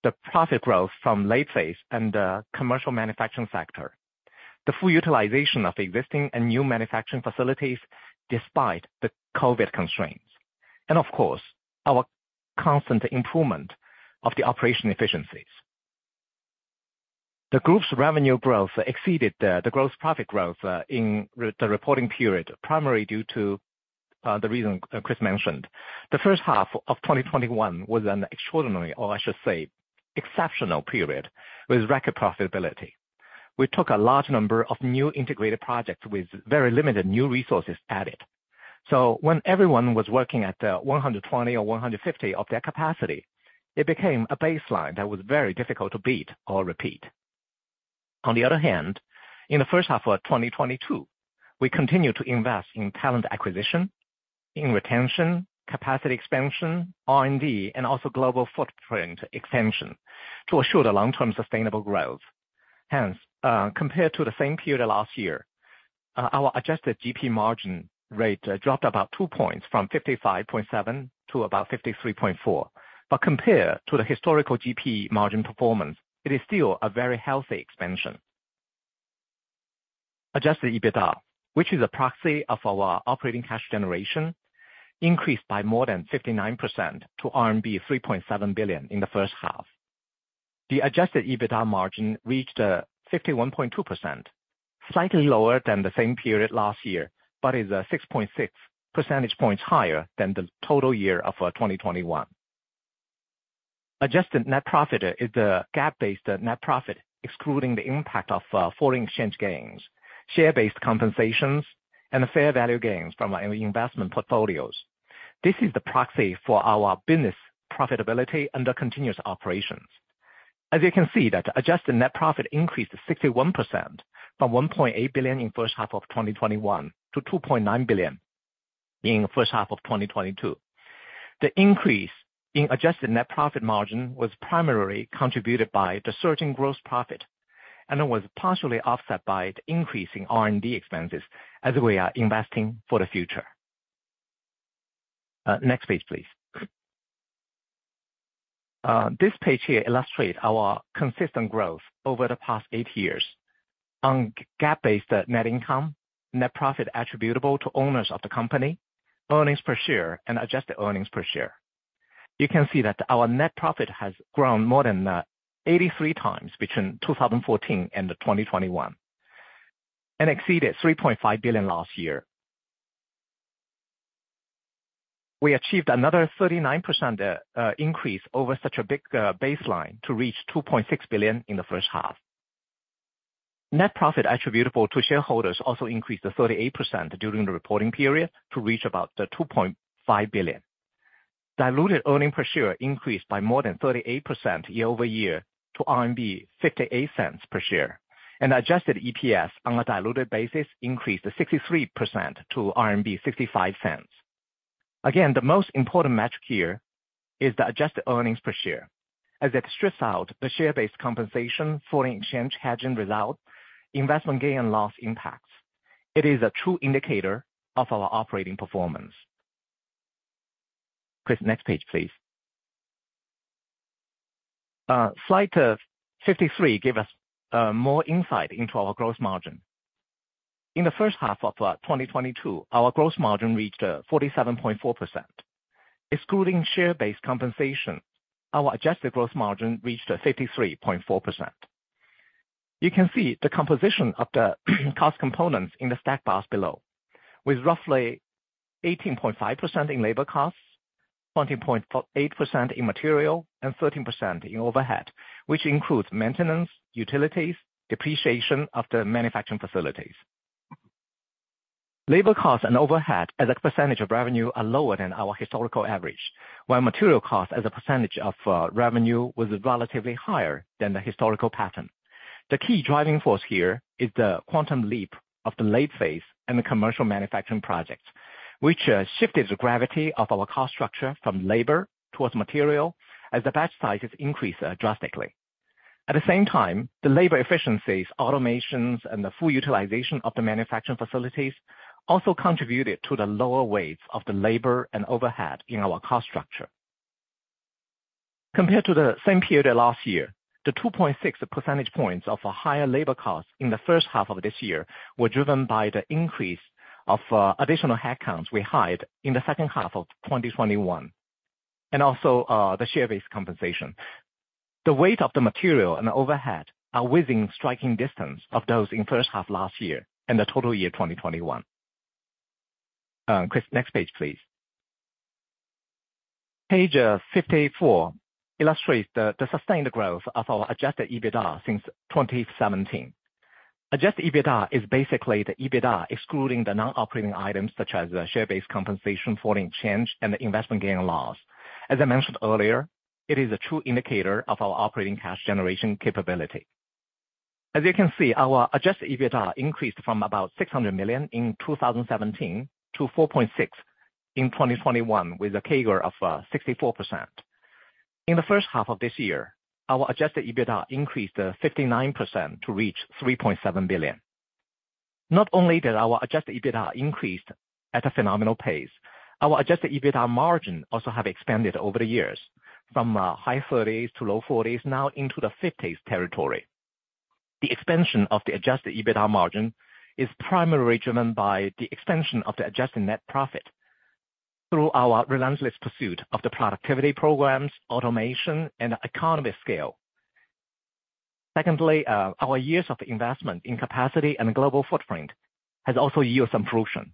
the profit growth from late phase and the commercial manufacturing sector, the full utilization of existing and new manufacturing facilities despite the COVID constraints, and of course, our constant improvement of the operation efficiencies. The group's revenue growth exceeded the gross profit growth in the reporting period, primarily due to the reason Chris mentioned. The first half of 2021 was an extraordinary, or I should say exceptional period with record profitability. We took a large number of new integrated projects with very limited new resources added. When everyone was working at 120 or 150 of their capacity, it became a baseline that was very difficult to beat or repeat. On the other hand, in the first half of 2022, we continued to invest in talent acquisition, in retention, capacity expansion, R&D, and also global footprint expansion to ensure the long-term sustainable growth. Hence, compared to the same period last year, our adjusted GP margin rate dropped about 2 points from 55.7% to about 53.4%. Compared to the historical GP margin performance, it is still a very healthy expansion. Adjusted EBITDA, which is a proxy of our operating cash generation, increased by more than 59% to RMB 3.7 billion in the first half. The Adjusted EBITDA margin reached 51.2%, slightly lower than the same period last year, but is 6.6 percentage points higher than the total year of 2021. Adjusted net profit is the GAAP-based net profit, excluding the impact of foreign exchange gains, share-based compensations, and the fair value gains from our investment portfolios. This is the proxy for our business profitability under continuous operations. As you can see, that adjusted net profit increased 61% from 1.8 billion in first half of 2021 to 2.9 billion in first half of 2022. The increase in adjusted net profit margin was primarily contributed by the certain gross profit and it was partially offset by increasing R&D expenses as we are investing for the future. Next page, please. This page here illustrate our consistent growth over the past eight years on GAAP-based net income, net profit attributable to owners of the company, earnings per share, and adjusted earnings per share. You can see that our net profit has grown more than 83 times between 2014 and 2021, and exceeded 3.5 billion last year. We achieved another 39% increase over such a big baseline to reach 2.6 billion in the first half. Net profit attributable to shareholders also increased 38% during the reporting period to reach about 2.5 billion. Diluted earnings per share increased by more than 38% year-over-year to RMB 0.58 per share. Adjusted EPS on a diluted basis increased 63% to 0.65. Again, the most important metric here is the adjusted earnings per share, as it strips out the share-based compensation, foreign exchange hedging results, investment gain and loss impacts. It is a true indicator of our operating performance. Chris, next page, please. Slide 53 gives us more insight into our gross margin. In the first half of 2022, our gross margin reached 47.4%. Excluding share-based compensation, our adjusted gross margin reached 53.4%. You can see the composition of the cost components in the stack bars below, with roughly 18.5% in labor costs, 20.8% in material, and 13% in overhead, which includes maintenance, utilities, depreciation of the manufacturing facilities. Labor costs and overhead as a percentage of revenue are lower than our historical average, while material cost as a percentage of revenue was relatively higher than the historical pattern. The key driving force here is the quantum leap of the late phase and the commercial manufacturing projects, which shifted the gravity of our cost structure from labor towards material as the batch sizes increased drastically. At the same time, the labor efficiencies, automations, and the full utilization of the manufacturing facilities also contributed to the lower weights of the labor and overhead in our cost structure. Compared to the same period last year, the 2.6 percentage points of a higher labor cost in the first half of this year were driven by the increase of additional headcounts we hired in the second half of 2021, and also the share-based compensation. The weight of the material and the overhead are within striking distance of those in first half last year and the total year 2021. Chris, next page, please. Page 54 illustrates the sustained growth of our Adjusted EBITDA since 2017. Adjusted EBITDA is basically the EBITDA excluding the non-operating items such as share-based compensation, foreign exchange, and the investment gains and losses. As I mentioned earlier, it is a true indicator of our operating cash generation capability. As you can see, our Adjusted EBITDA increased from about 600 million in 2017 to 4.6 billion in 2021, with a CAGR of 64%. In the first half of this year, our adjusted EBITDA increased 59% to reach 3.7 billion. Not only did our Adjusted EBITDA increased at a phenomenal pace, our Adjusted EBITDA margin also have expanded over the years from high 30s% to low 40s%, now into the 50s% territory. The expansion of the Adjusted EBITDA margin is primarily driven by the expansion of the adjusted net profit. Through our relentless pursuit of the productivity programs, automation and economies of scale. Secondly, our years of investment in capacity and global footprint have also yielded some fruition.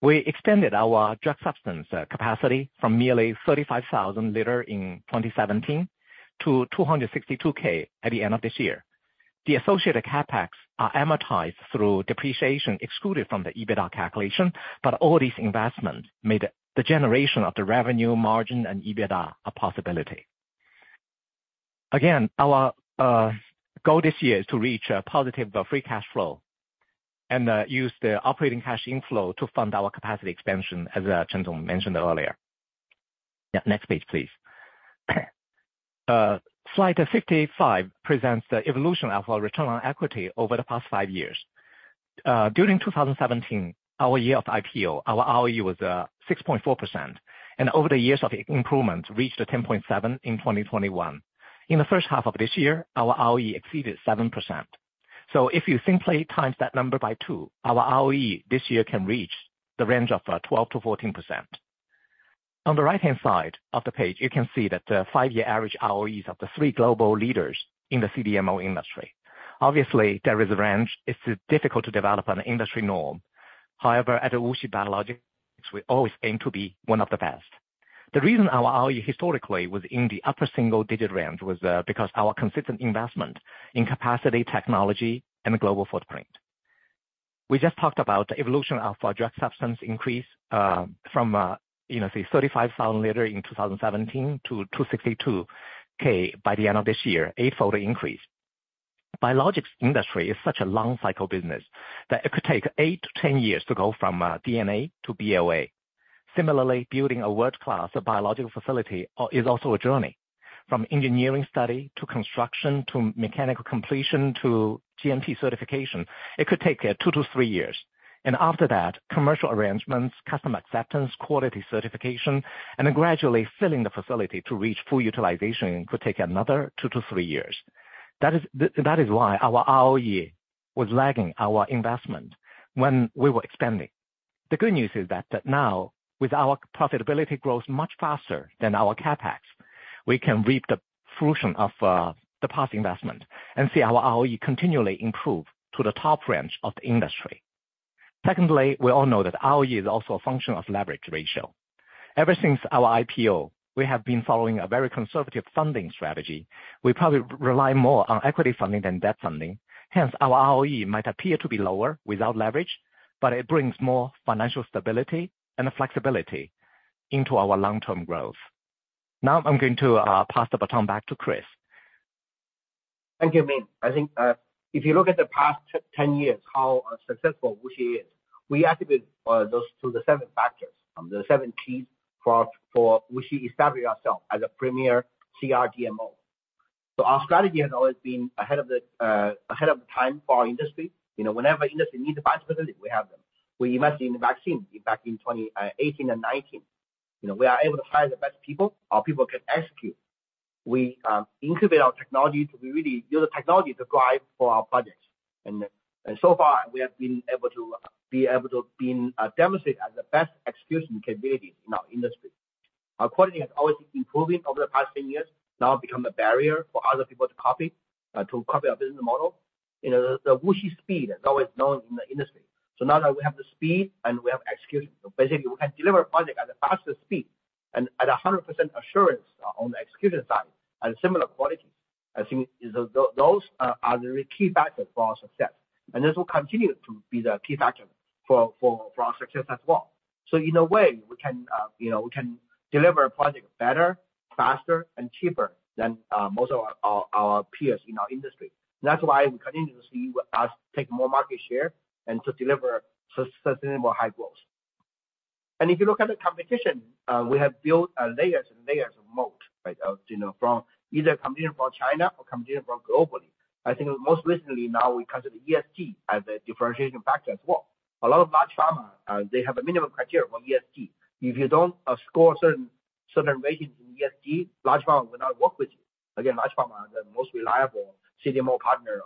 We extended our drug substance capacity from merely 35,000 liters in 2017 to 262,000 liters at the end of this year. The associated CapEx are amortized through depreciation excluded from the EBITDA calculation, but all these investments made the generation of the revenue margin and EBITDA a possibility. Again, our goal this year is to reach a positive free cash flow and use the operating cash inflow to fund our capacity expansion, as Chris Chen mentioned earlier. Yeah. Next page, please. Slide 55 presents the evolution of our return on equity over the past five years. During 2017, our year of IPO, our ROE was 6.4%, and over the years of improvement reached a 10.7 in 2021. In the first half of this year, our ROE exceeded 7%. If you simply times that number by two, our ROE this year can reach the range of 12%-14%. On the right-hand side of the page, you can see that the five-year average ROEs of the three global leaders in the CDMO industry. Obviously, there is a range. It's difficult to develop an industry norm. However, at WuXi Biologics, we always aim to be one of the best. The reason our ROE historically was in the upper single-digit range was because our consistent investment in capacity, technology and global footprint. We just talked about the evolution of our drug substance increase from say 35,000 liters in 2017 to 262,000 liters by the end of this year, 8-fold increase. Biologics industry is such a long cycle business that it could take 8-10 years to go from DNA to BLA. Similarly, building a world-class biologics facility is also a journey. From engineering study to construction to mechanical completion to GMP certification, it could take 2-3 years. After that, commercial arrangements, customer acceptance, quality certification, and then gradually filling the facility to reach full utilization could take another 2-3 years. That is why our ROE was lagging our investment when we were expanding. The good news is that now with our profitability growth much faster than our CapEx, we can reap the fruition of the past investment and see our ROE continually improve to the top range of the industry. Secondly, we all know that ROE is also a function of leverage ratio. Ever since our IPO, we have been following a very conservative funding strategy. We probably rely more on equity funding than debt funding. Hence, our ROE might appear to be lower without leverage, but it brings more financial stability and flexibility into our long-term growth. Now I'm going to pass the baton back to Chris. Thank you, Ming. I think if you look at the past 10 years, how successful WuXi is, we attribute those to the seven factors, the seven keys for WuXi establishing ourselves as a premier CRDMO. Our strategy has always been ahead of the time for our industry. You know, whenever industry needs a biofacility, we have them. We invest in vaccine back in 2018 and 2019. You know, we are able to hire the best people. Our people can execute. We incubate our technology to use the technology to drive for our projects. So far, we have been able to demonstrate as the best execution capability in our industry. Our quality has always improving over the past 10 years, now become a barrier for other people to copy our business model. You know, the WuXi speed is always known in the industry. Now that we have the speed and we have execution, basically we can deliver project at the fastest speed and at 100% assurance on the execution side at a similar quality. I think those are the key factors for our success, and this will continue to be the key factor for our success as well. In a way, we can, you know, we can deliver a project better, faster and cheaper than most of our peers in our industry. That's why we continuously will take more market share and to deliver sustainable high growth. If you look at the competition, we have built layers and layers of moat, right? You know, from either competing for China or competing for globally. I think most recently now we consider the ESG as a differentiation factor as well. A lot of large pharma, they have a minimum criteria for ESG. If you don't score certain ratings in ESG, large pharma will not work with you. Again, large pharma are the most reliable CDMO partner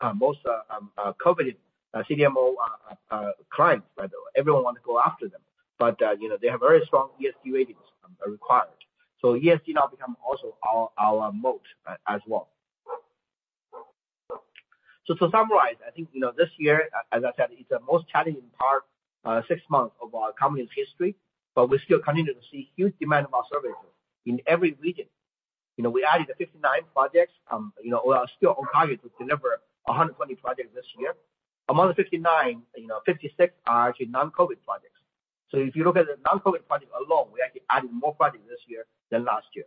or most coveted CDMO clients, right? Everyone wants to go after them, but you know, they have very strong ESG ratings required. ESG now become also our moat as well. To summarize, I think, you know, this year, as I said, it's the most challenging part, six months of our company's history, but we still continue to see huge demand of our services in every region. You know, we added the 59 projects. You know, we are still on target to deliver 120 projects this year. Among the 59, you know, 56 are actually non-COVID projects. If you look at the non-COVID projects alone, we actually added more projects this year than last year.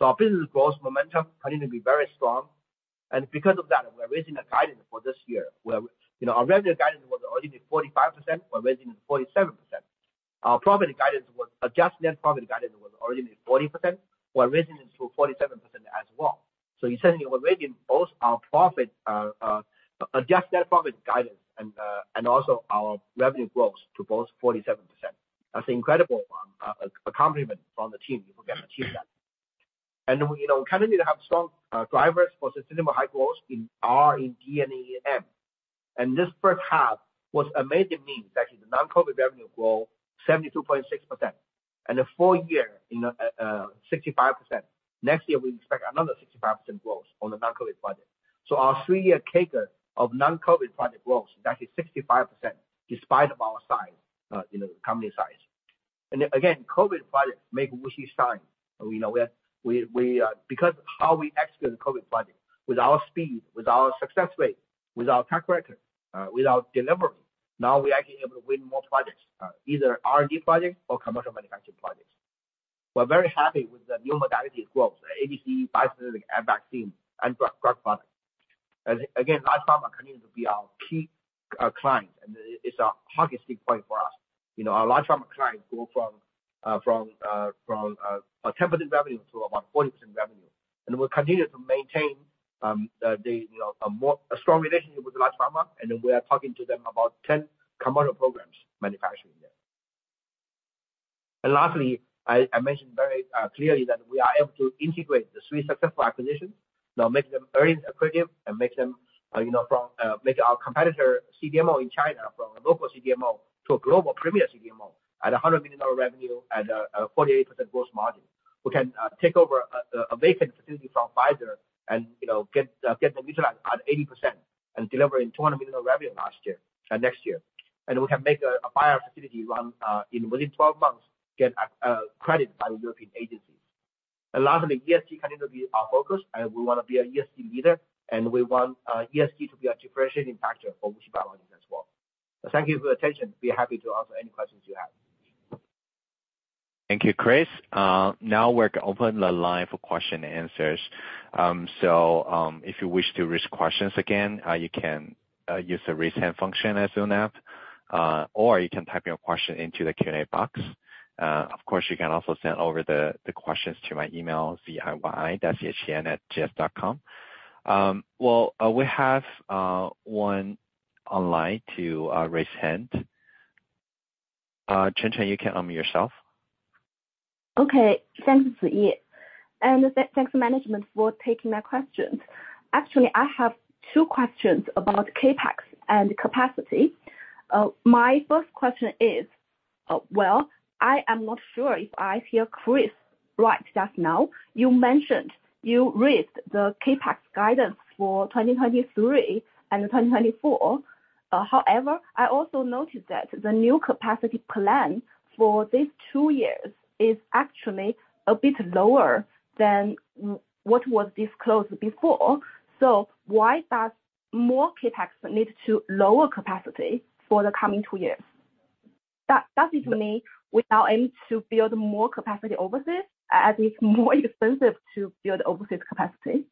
Our business growth momentum continue to be very strong. Because of that, we're raising a guidance for this year, where, you know, our revenue guidance was originally 45%, we're raising it to 47%. Our adjusted net profit guidance was originally 40%. We're raising it to 47% as well. Essentially, we're raising both our profit, adjusted net profit guidance and also our revenue growth to both 47%. That's incredible accomplishment from the team if we can achieve that. We, you know, kind of need to have strong drivers for sustainable high growth in R&D and AM. This first half was amazing means that the non-COVID revenue grow 72.6% and the full year 65%. Next year, we expect another 65% growth on the non-COVID project. Our three-year CAGR of non-COVID project growth is actually 65% despite of our size, company size. Again, COVID project make WuXi strong. You know, because how we execute COVID project with our speed, with our success rate, with our track record, with our delivery, now we are actually able to win more projects, either R&D projects or commercial manufacturing projects. We're very happy with the new modalities growth, ADC, biosimilar and vaccine and drug products. Again, large pharma continues to be our key client, and it's a strategic point for us. You know, our large pharma clients go from a 10% revenue to about 40% revenue. We'll continue to maintain you know a strong relationship with large pharma, and then we are talking to them about 10 commercial programs manufacturing there. Lastly, I mentioned very clearly that we are able to integrate the three successful acquisitions. Now make them earnings accretive and make them, you know from, make our competitor CDMO in China from a local CDMO to a global premier CDMO at a $100 million revenue at a 48% gross margin. We can take over a vacant facility from Pfizer and, you know, get them utilized at 80% and delivering $200 million of revenue last year, next year. We can make a Bayer facility run in within 12 months, get accredited by European agencies. Lastly, ESG continue to be our focus, and we wanna be a ESG leader, and we want ESG to be a differentiating factor for WuXi Biologics as well. Thank you for your attention. Be happy to answer any questions you have. Thank you, Chris. Now we are opening the line for questions and answers. If you wish to ask questions again, you can use the Raise Hand function at the Zoom app, or you can type your question into the Q&A box. Of course, you can also send over the questions to my email, ziyi.chen@gs.com. Well, we have one online to raise hand. Chen Chen, you can unmute yourself. Okay. Thanks, Ziyi. Thanks management for taking my questions. Actually, I have two questions about CapEx and capacity. My first question is, well, I am not sure if I hear Chris right just now. You mentioned you raised the CapEx guidance for 2023 and 2024. However, I also noticed that the new capacity plan for these two years is actually a bit lower than what was disclosed before. Why does more CapEx need to lower capacity for the coming two years? That is to me without aim to build more capacity overseas, as it's more expensive to build overseas capacity.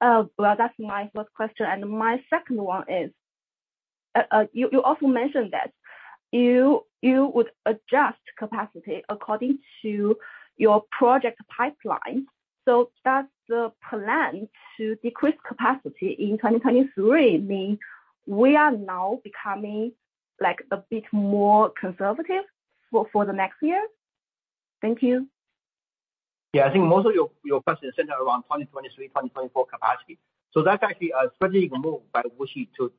Well, that's my first question, and my second one is, you also mentioned that you would adjust capacity according to your project pipeline. Does the plan to decrease capacity in 2023 mean we are now becoming, like, a bit more conservative for the next year? Thank you. Yeah. I think most of your questions center around 2023, 2024 capacity. That's actually a strategic move by WuXi to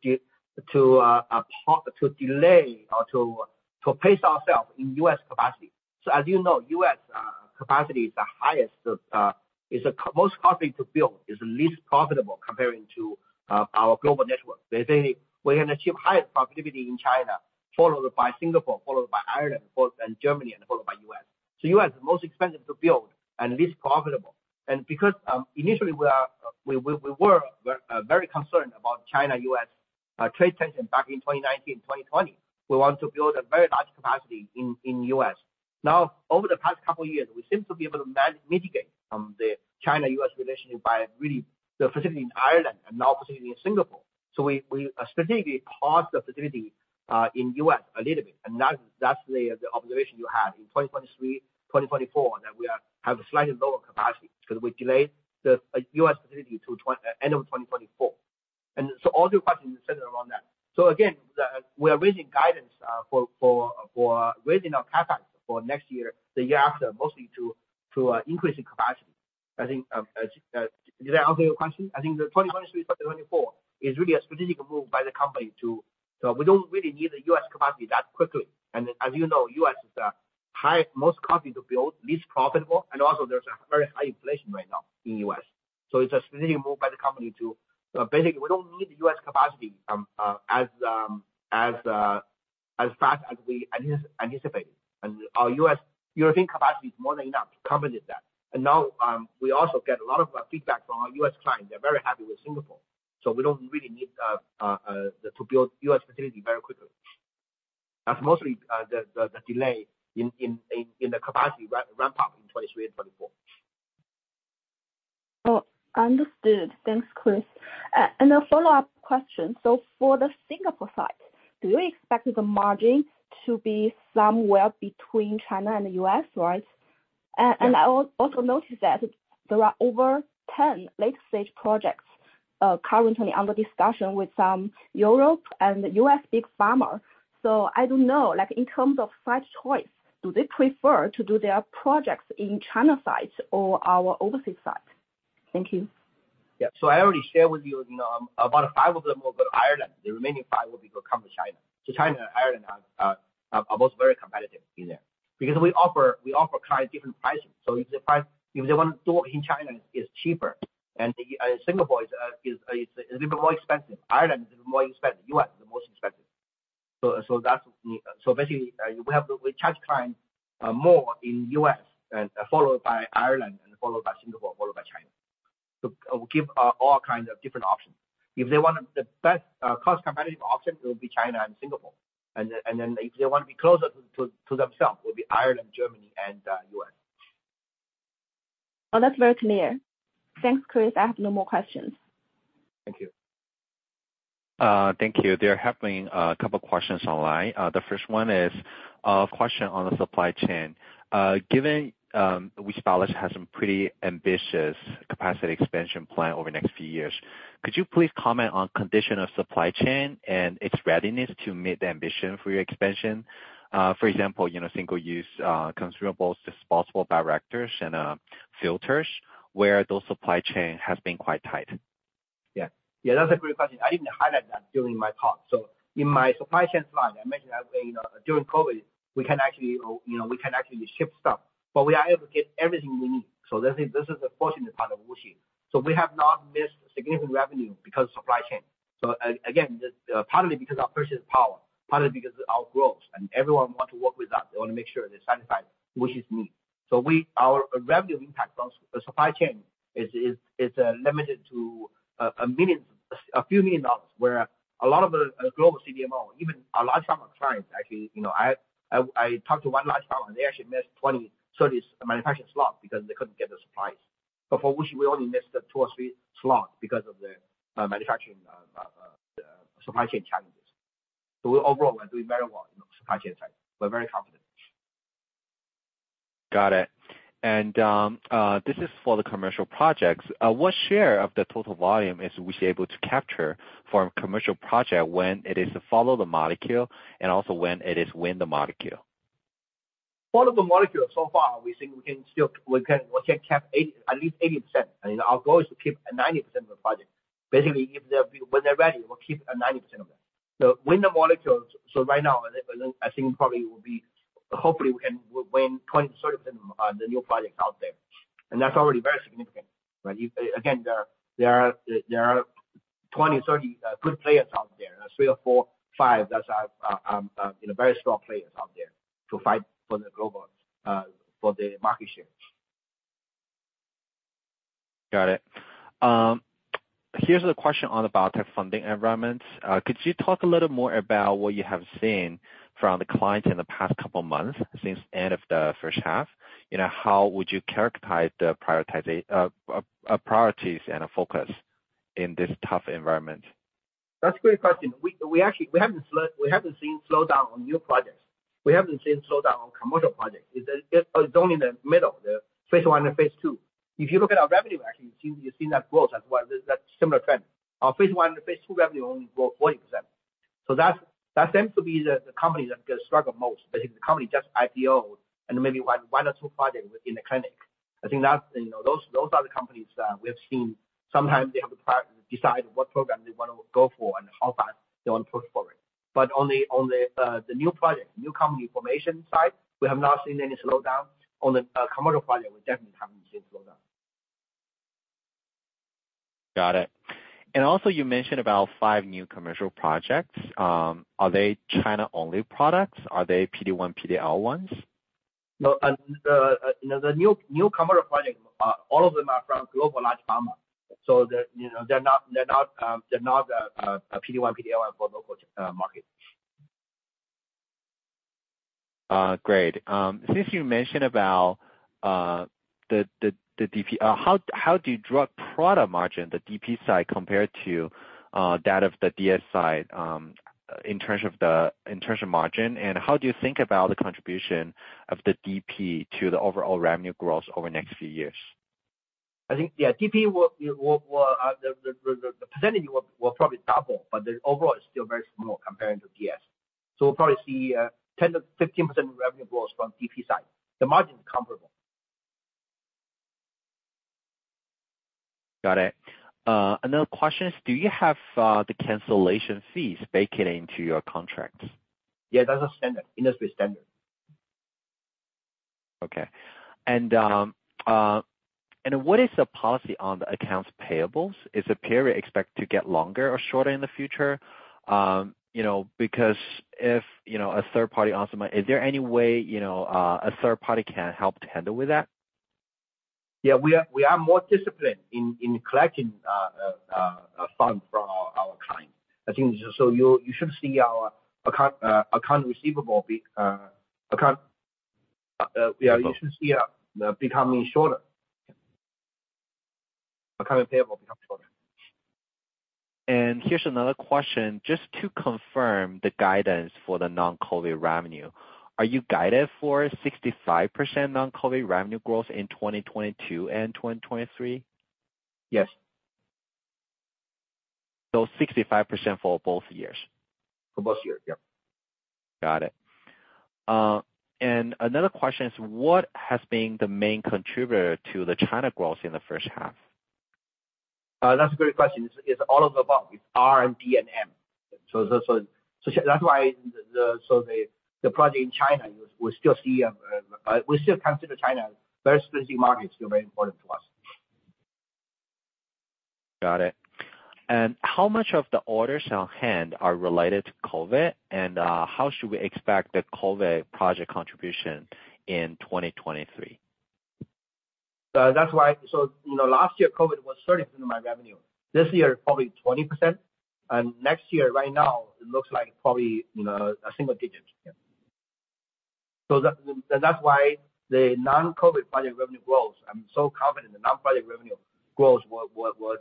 delay or to pace ourselves in U.S. capacity. As you know, U.S. capacity is the highest, is the most costly to build, is least profitable comparing to our global network. Let's say we can achieve higher profitability in China, followed by Singapore, followed by Ireland, followed by Germany, and followed by U.S. U.S. is most expensive to build and least profitable. Because initially we were very concerned about China-U.S. trade tension back in 2019, 2020. We want to build a very large capacity in U.S. Now, over the past couple years, we seem to be able to mitigate the China-U.S. relationship by relying on the facility in Ireland and now facility in Singapore. We specifically paused the facility in U.S. a little bit, and that's the observation you have in 2023, 2024, that we have a slightly lower capacity because we delay the U.S. facility to end of 2024. All your questions center around that. We are raising guidance for raising our CapEx for next year, the year after, mostly to increasing capacity. I think. Did I answer your question? I think the 2023, 2024 is really a strategic move by the company to. We don't really need the U.S. capacity that quickly. As you know, U.S. is the most costly to build, least profitable, and also there's a very high inflation right now in U.S. It's a strategic move by the company to basically we don't need the U.S. capacity as fast as we anticipated. Our U.S.-European capacity is more than enough to accommodate that. Now we also get a lot of feedback from our U.S. clients. They're very happy with Singapore, so we don't really need to build U.S. facility very quickly. That's mostly the delay in the capacity ramp-up in 2023 and 2024. Oh, understood. Thanks, Chris. A follow-up question. For the Singapore site, do you expect the margin to be somewhere between China and the U.S., right? Yeah. I also noticed that there are over 10 late-stage projects currently under discussion with some European and U.S. big pharma. I don't know, like in terms of site choice, do they prefer to do their projects in China sites or our overseas sites? Thank you. Yeah. I already shared with you know, about five of them will go to Ireland, the remaining five will come to China. China and Ireland are both very competitive in their because we offer clients different pricing. If they wanna do it in China, it's cheaper and Singapore is a little more expensive, Ireland is more expensive, U.S. is the most expensive. That's basically. We charge clients more in U.S., followed by Ireland, followed by Singapore, followed by China. We give all kinds of different options. If they want the best cost competitive option, it will be China and Singapore, and then if they wanna be closer to themselves, it will be Ireland, Germany, and U.S. Oh, that's very clear. Thanks, Chris. I have no more questions. Thank you. Thank you. There are a couple of questions online. The first one is a question on the supply chain. Given we have established some pretty ambitious capacity expansion plan over the next few years, could you please comment on condition of supply chain and its readiness to meet the ambition for your expansion? For example, you know, single-use consumables, disposable bioreactors and filters, where the supply chain has been quite tight. Yeah. Yeah, that's a great question. I didn't highlight that during my talk. In my supply chain slide, I mentioned that, you know, during COVID, we can actually ship stuff, but we are able to get everything we need. Let's say this is the fortunate part of WuXi. We have not missed significant revenue because of supply chain. Again, just partly because our purchasing power, partly because of our growth and everyone want to work with us, they wanna make sure they're satisfied WuXi's need. Our revenue impact on supply chain is limited to $1 million, a few million dollars, where a lot of the global CDMO, even a large number of clients actually, you know. I talked to one large client and they actually missed 20-30 manufacturing slots because they couldn't get the supplies. For WuXi, we only missed two or three slots because of the manufacturing supply chain challenges. Overall, we're doing very well in the supply chain side. We're very confident. Got it. This is for the commercial projects. What share of the total volume is WuXi able to capture from commercial project when it is to Follow-the-Molecule and also when it is Win-the-Molecule? Follow-the-Molecule so far, we think we can still capture at least 80%. Our goal is to keep 90% of the project. Basically, when they're ready, we'll keep 90% of it. Win-the-Molecule, right now I think probably we will be hopefully we can win 20%-30% on the new projects out there. That's already very significant, right? Again, there are 20-30 good players out there, three or four, five that are you know very strong players out there to fight for the global for the market shares. Got it. Here's a question on the biotech funding environment. Could you talk a little more about what you have seen from the clients in the past couple of months since end of the first half? You know, how would you characterize the priorities and focus in this tough environment? That's a great question. We actually haven't seen slowdown on new projects. We haven't seen slowdown on commercial projects. It's only in the middle, the phase I and phase II. If you look at our revenue actually, you've seen that growth as well. That's similar trend. Our phase I and phase II revenue only grow 40%. That seems to be the company that struggle most. Basically, the company just IPOed and maybe one or two projects within the clinic. I think that, you know, those are the companies that we've seen sometimes they have to decide what program they wanna go for and how fast they wanna push forward. On the new project, new company formation side, we have not seen any slowdown. On the commercial project, we definitely haven't seen slowdown. Got it. You mentioned about five new commercial projects. Are they China only products? Are they PD-1, PD-L1 ones? No. You know, the new commercial projects are all of them from global large pharma. You know, they're not PD-1, PD-L1s for local market. Great. Since you mentioned about the DP, how does the drug product margin, the DP side compared to that of the DS side, in terms of margin, and how do you think about the contribution of the DP to the overall revenue growth over the next few years? I think, yeah, DP will the percentage will probably double, but the overall is still very small comparing to DS. We'll probably see 10%-15% revenue growth from DP side. The margin is comparable. Got it. Another question is, do you have the cancellation fees baked into your contracts? Yeah, that's a standard industry standard. Okay. What is the policy on the accounts payable? Is the period expected to get longer or shorter in the future? You know, because if, you know, a third party can help to handle that? Yeah. We are more disciplined in collecting funds from our clients. I think so you should see our accounts receivable becoming shorter. Accounts payable become shorter. Here's another question, just to confirm the guidance for the non-COVID revenue. Are you guided for 65% non-COVID revenue growth in 2022 and 2023? Yes. 65% for both years? For both years, yep. Got it. Another question is what has been the main contributor to the China growth in the first half? That's a great question. It's all of the above. It's R and D and M. That's why the project in China, we still consider China very strategic market, still very important to us. Got it. How much of the orders on hand are related to COVID, and how should we expect the COVID project contribution in 2023? That's why you know, last year COVID was 30% of my revenue. This year, probably 20%. Next year, right now it looks like probably, you know, a single digit. Yeah. That's why the non-COVID project revenue growth, I'm so confident the non-project revenue growth will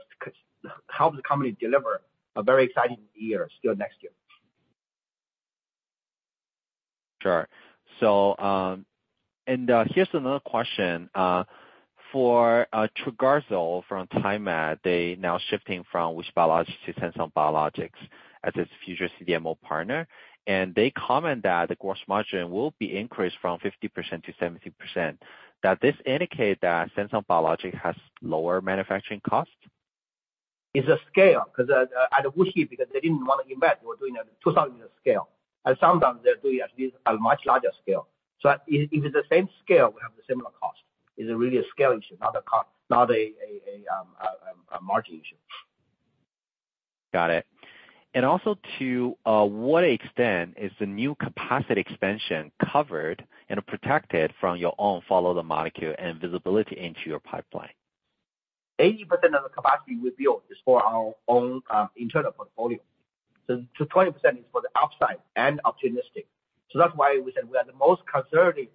help the company deliver a very exciting year still next year. Here's another question for Trogarzo from TaiMed Biologics. They're now shifting from WuXi Biologics to Samsung Biologics as its future CDMO partner. They comment that the gross margin will be increased from 50%-70%. Does this indicate that Samsung Biologics has lower manufacturing costs? It's the scale, 'cause at WuXi, because they didn't wanna invest, we're doing a 2,000 scale. At Samsung they're doing at least a much larger scale. If it's the same scale, we have the similar cost. It's really a scale issue, not a margin issue. Got it. To what extent is the new capacity expansion covered and protected from your own Follow-the-Molecule and visibility into your pipeline? 80% of the capacity we build is for our own internal portfolio. 20% is for the outside and optimistic. That's why we said we are the most conservative,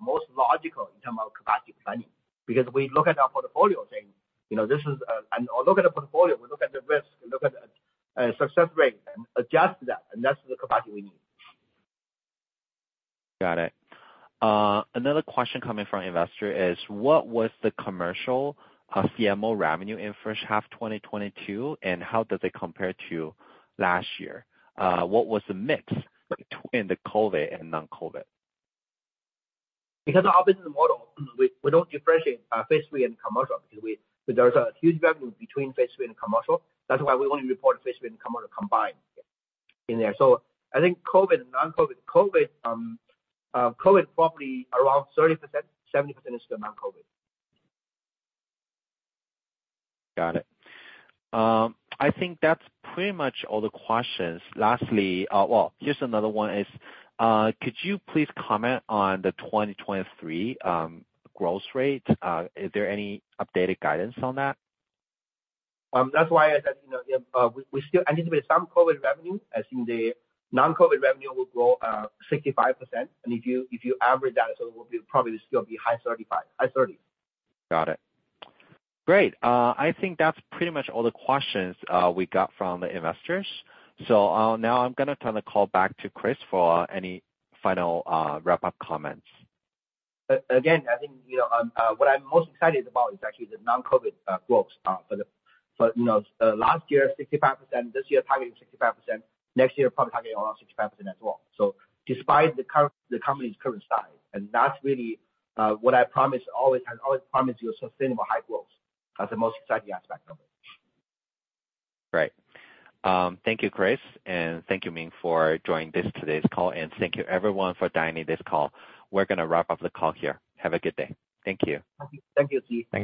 most logical in terms of capacity planning. Because we look at our portfolio saying, you know, this is. We look at the portfolio, we look at the risk, we look at success rate and adjust that, and that's the capacity we need. Got it. Another question coming from investor is, what was the commercial CMO revenue in first half 2022, and how did they compare to last year? What was the mix between the COVID and non-COVID? Because of our business model, we don't differentiate phase III and commercial because we... There's a huge revenue between phase III and commercial. That's why we only report phase III and commercial combined in there. I think COVID and non-COVID, COVID probably around 30%, 70% is the non-COVID. Got it. I think that's pretty much all the questions. Lastly, well, just another one is, could you please comment on the 2023 growth rate? Is there any updated guidance on that? That's why I said, you know, we still anticipate some COVID revenue, as in the non-COVID revenue will grow 65%. If you average that, it will probably be high 35, high 30. Got it. Great. I think that's pretty much all the questions we got from the investors. Now I'm gonna turn the call back to Chris for any final wrap up comments. Again, I think, you know, what I'm most excited about is actually the non-COVID growth for you know last year 65%, this year targeting 65%, next year probably targeting around 65% as well. Despite the company's current size, and that's really what I promise always, I always promise you a sustainable high growth. That's the most exciting aspect of it. Great. Thank you, Chris, and thank you Ming for joining this, today's call. Thank you everyone for dialing this call. We're gonna wrap up the call here. Have a good day. Thank you. Thank you, Ziyi.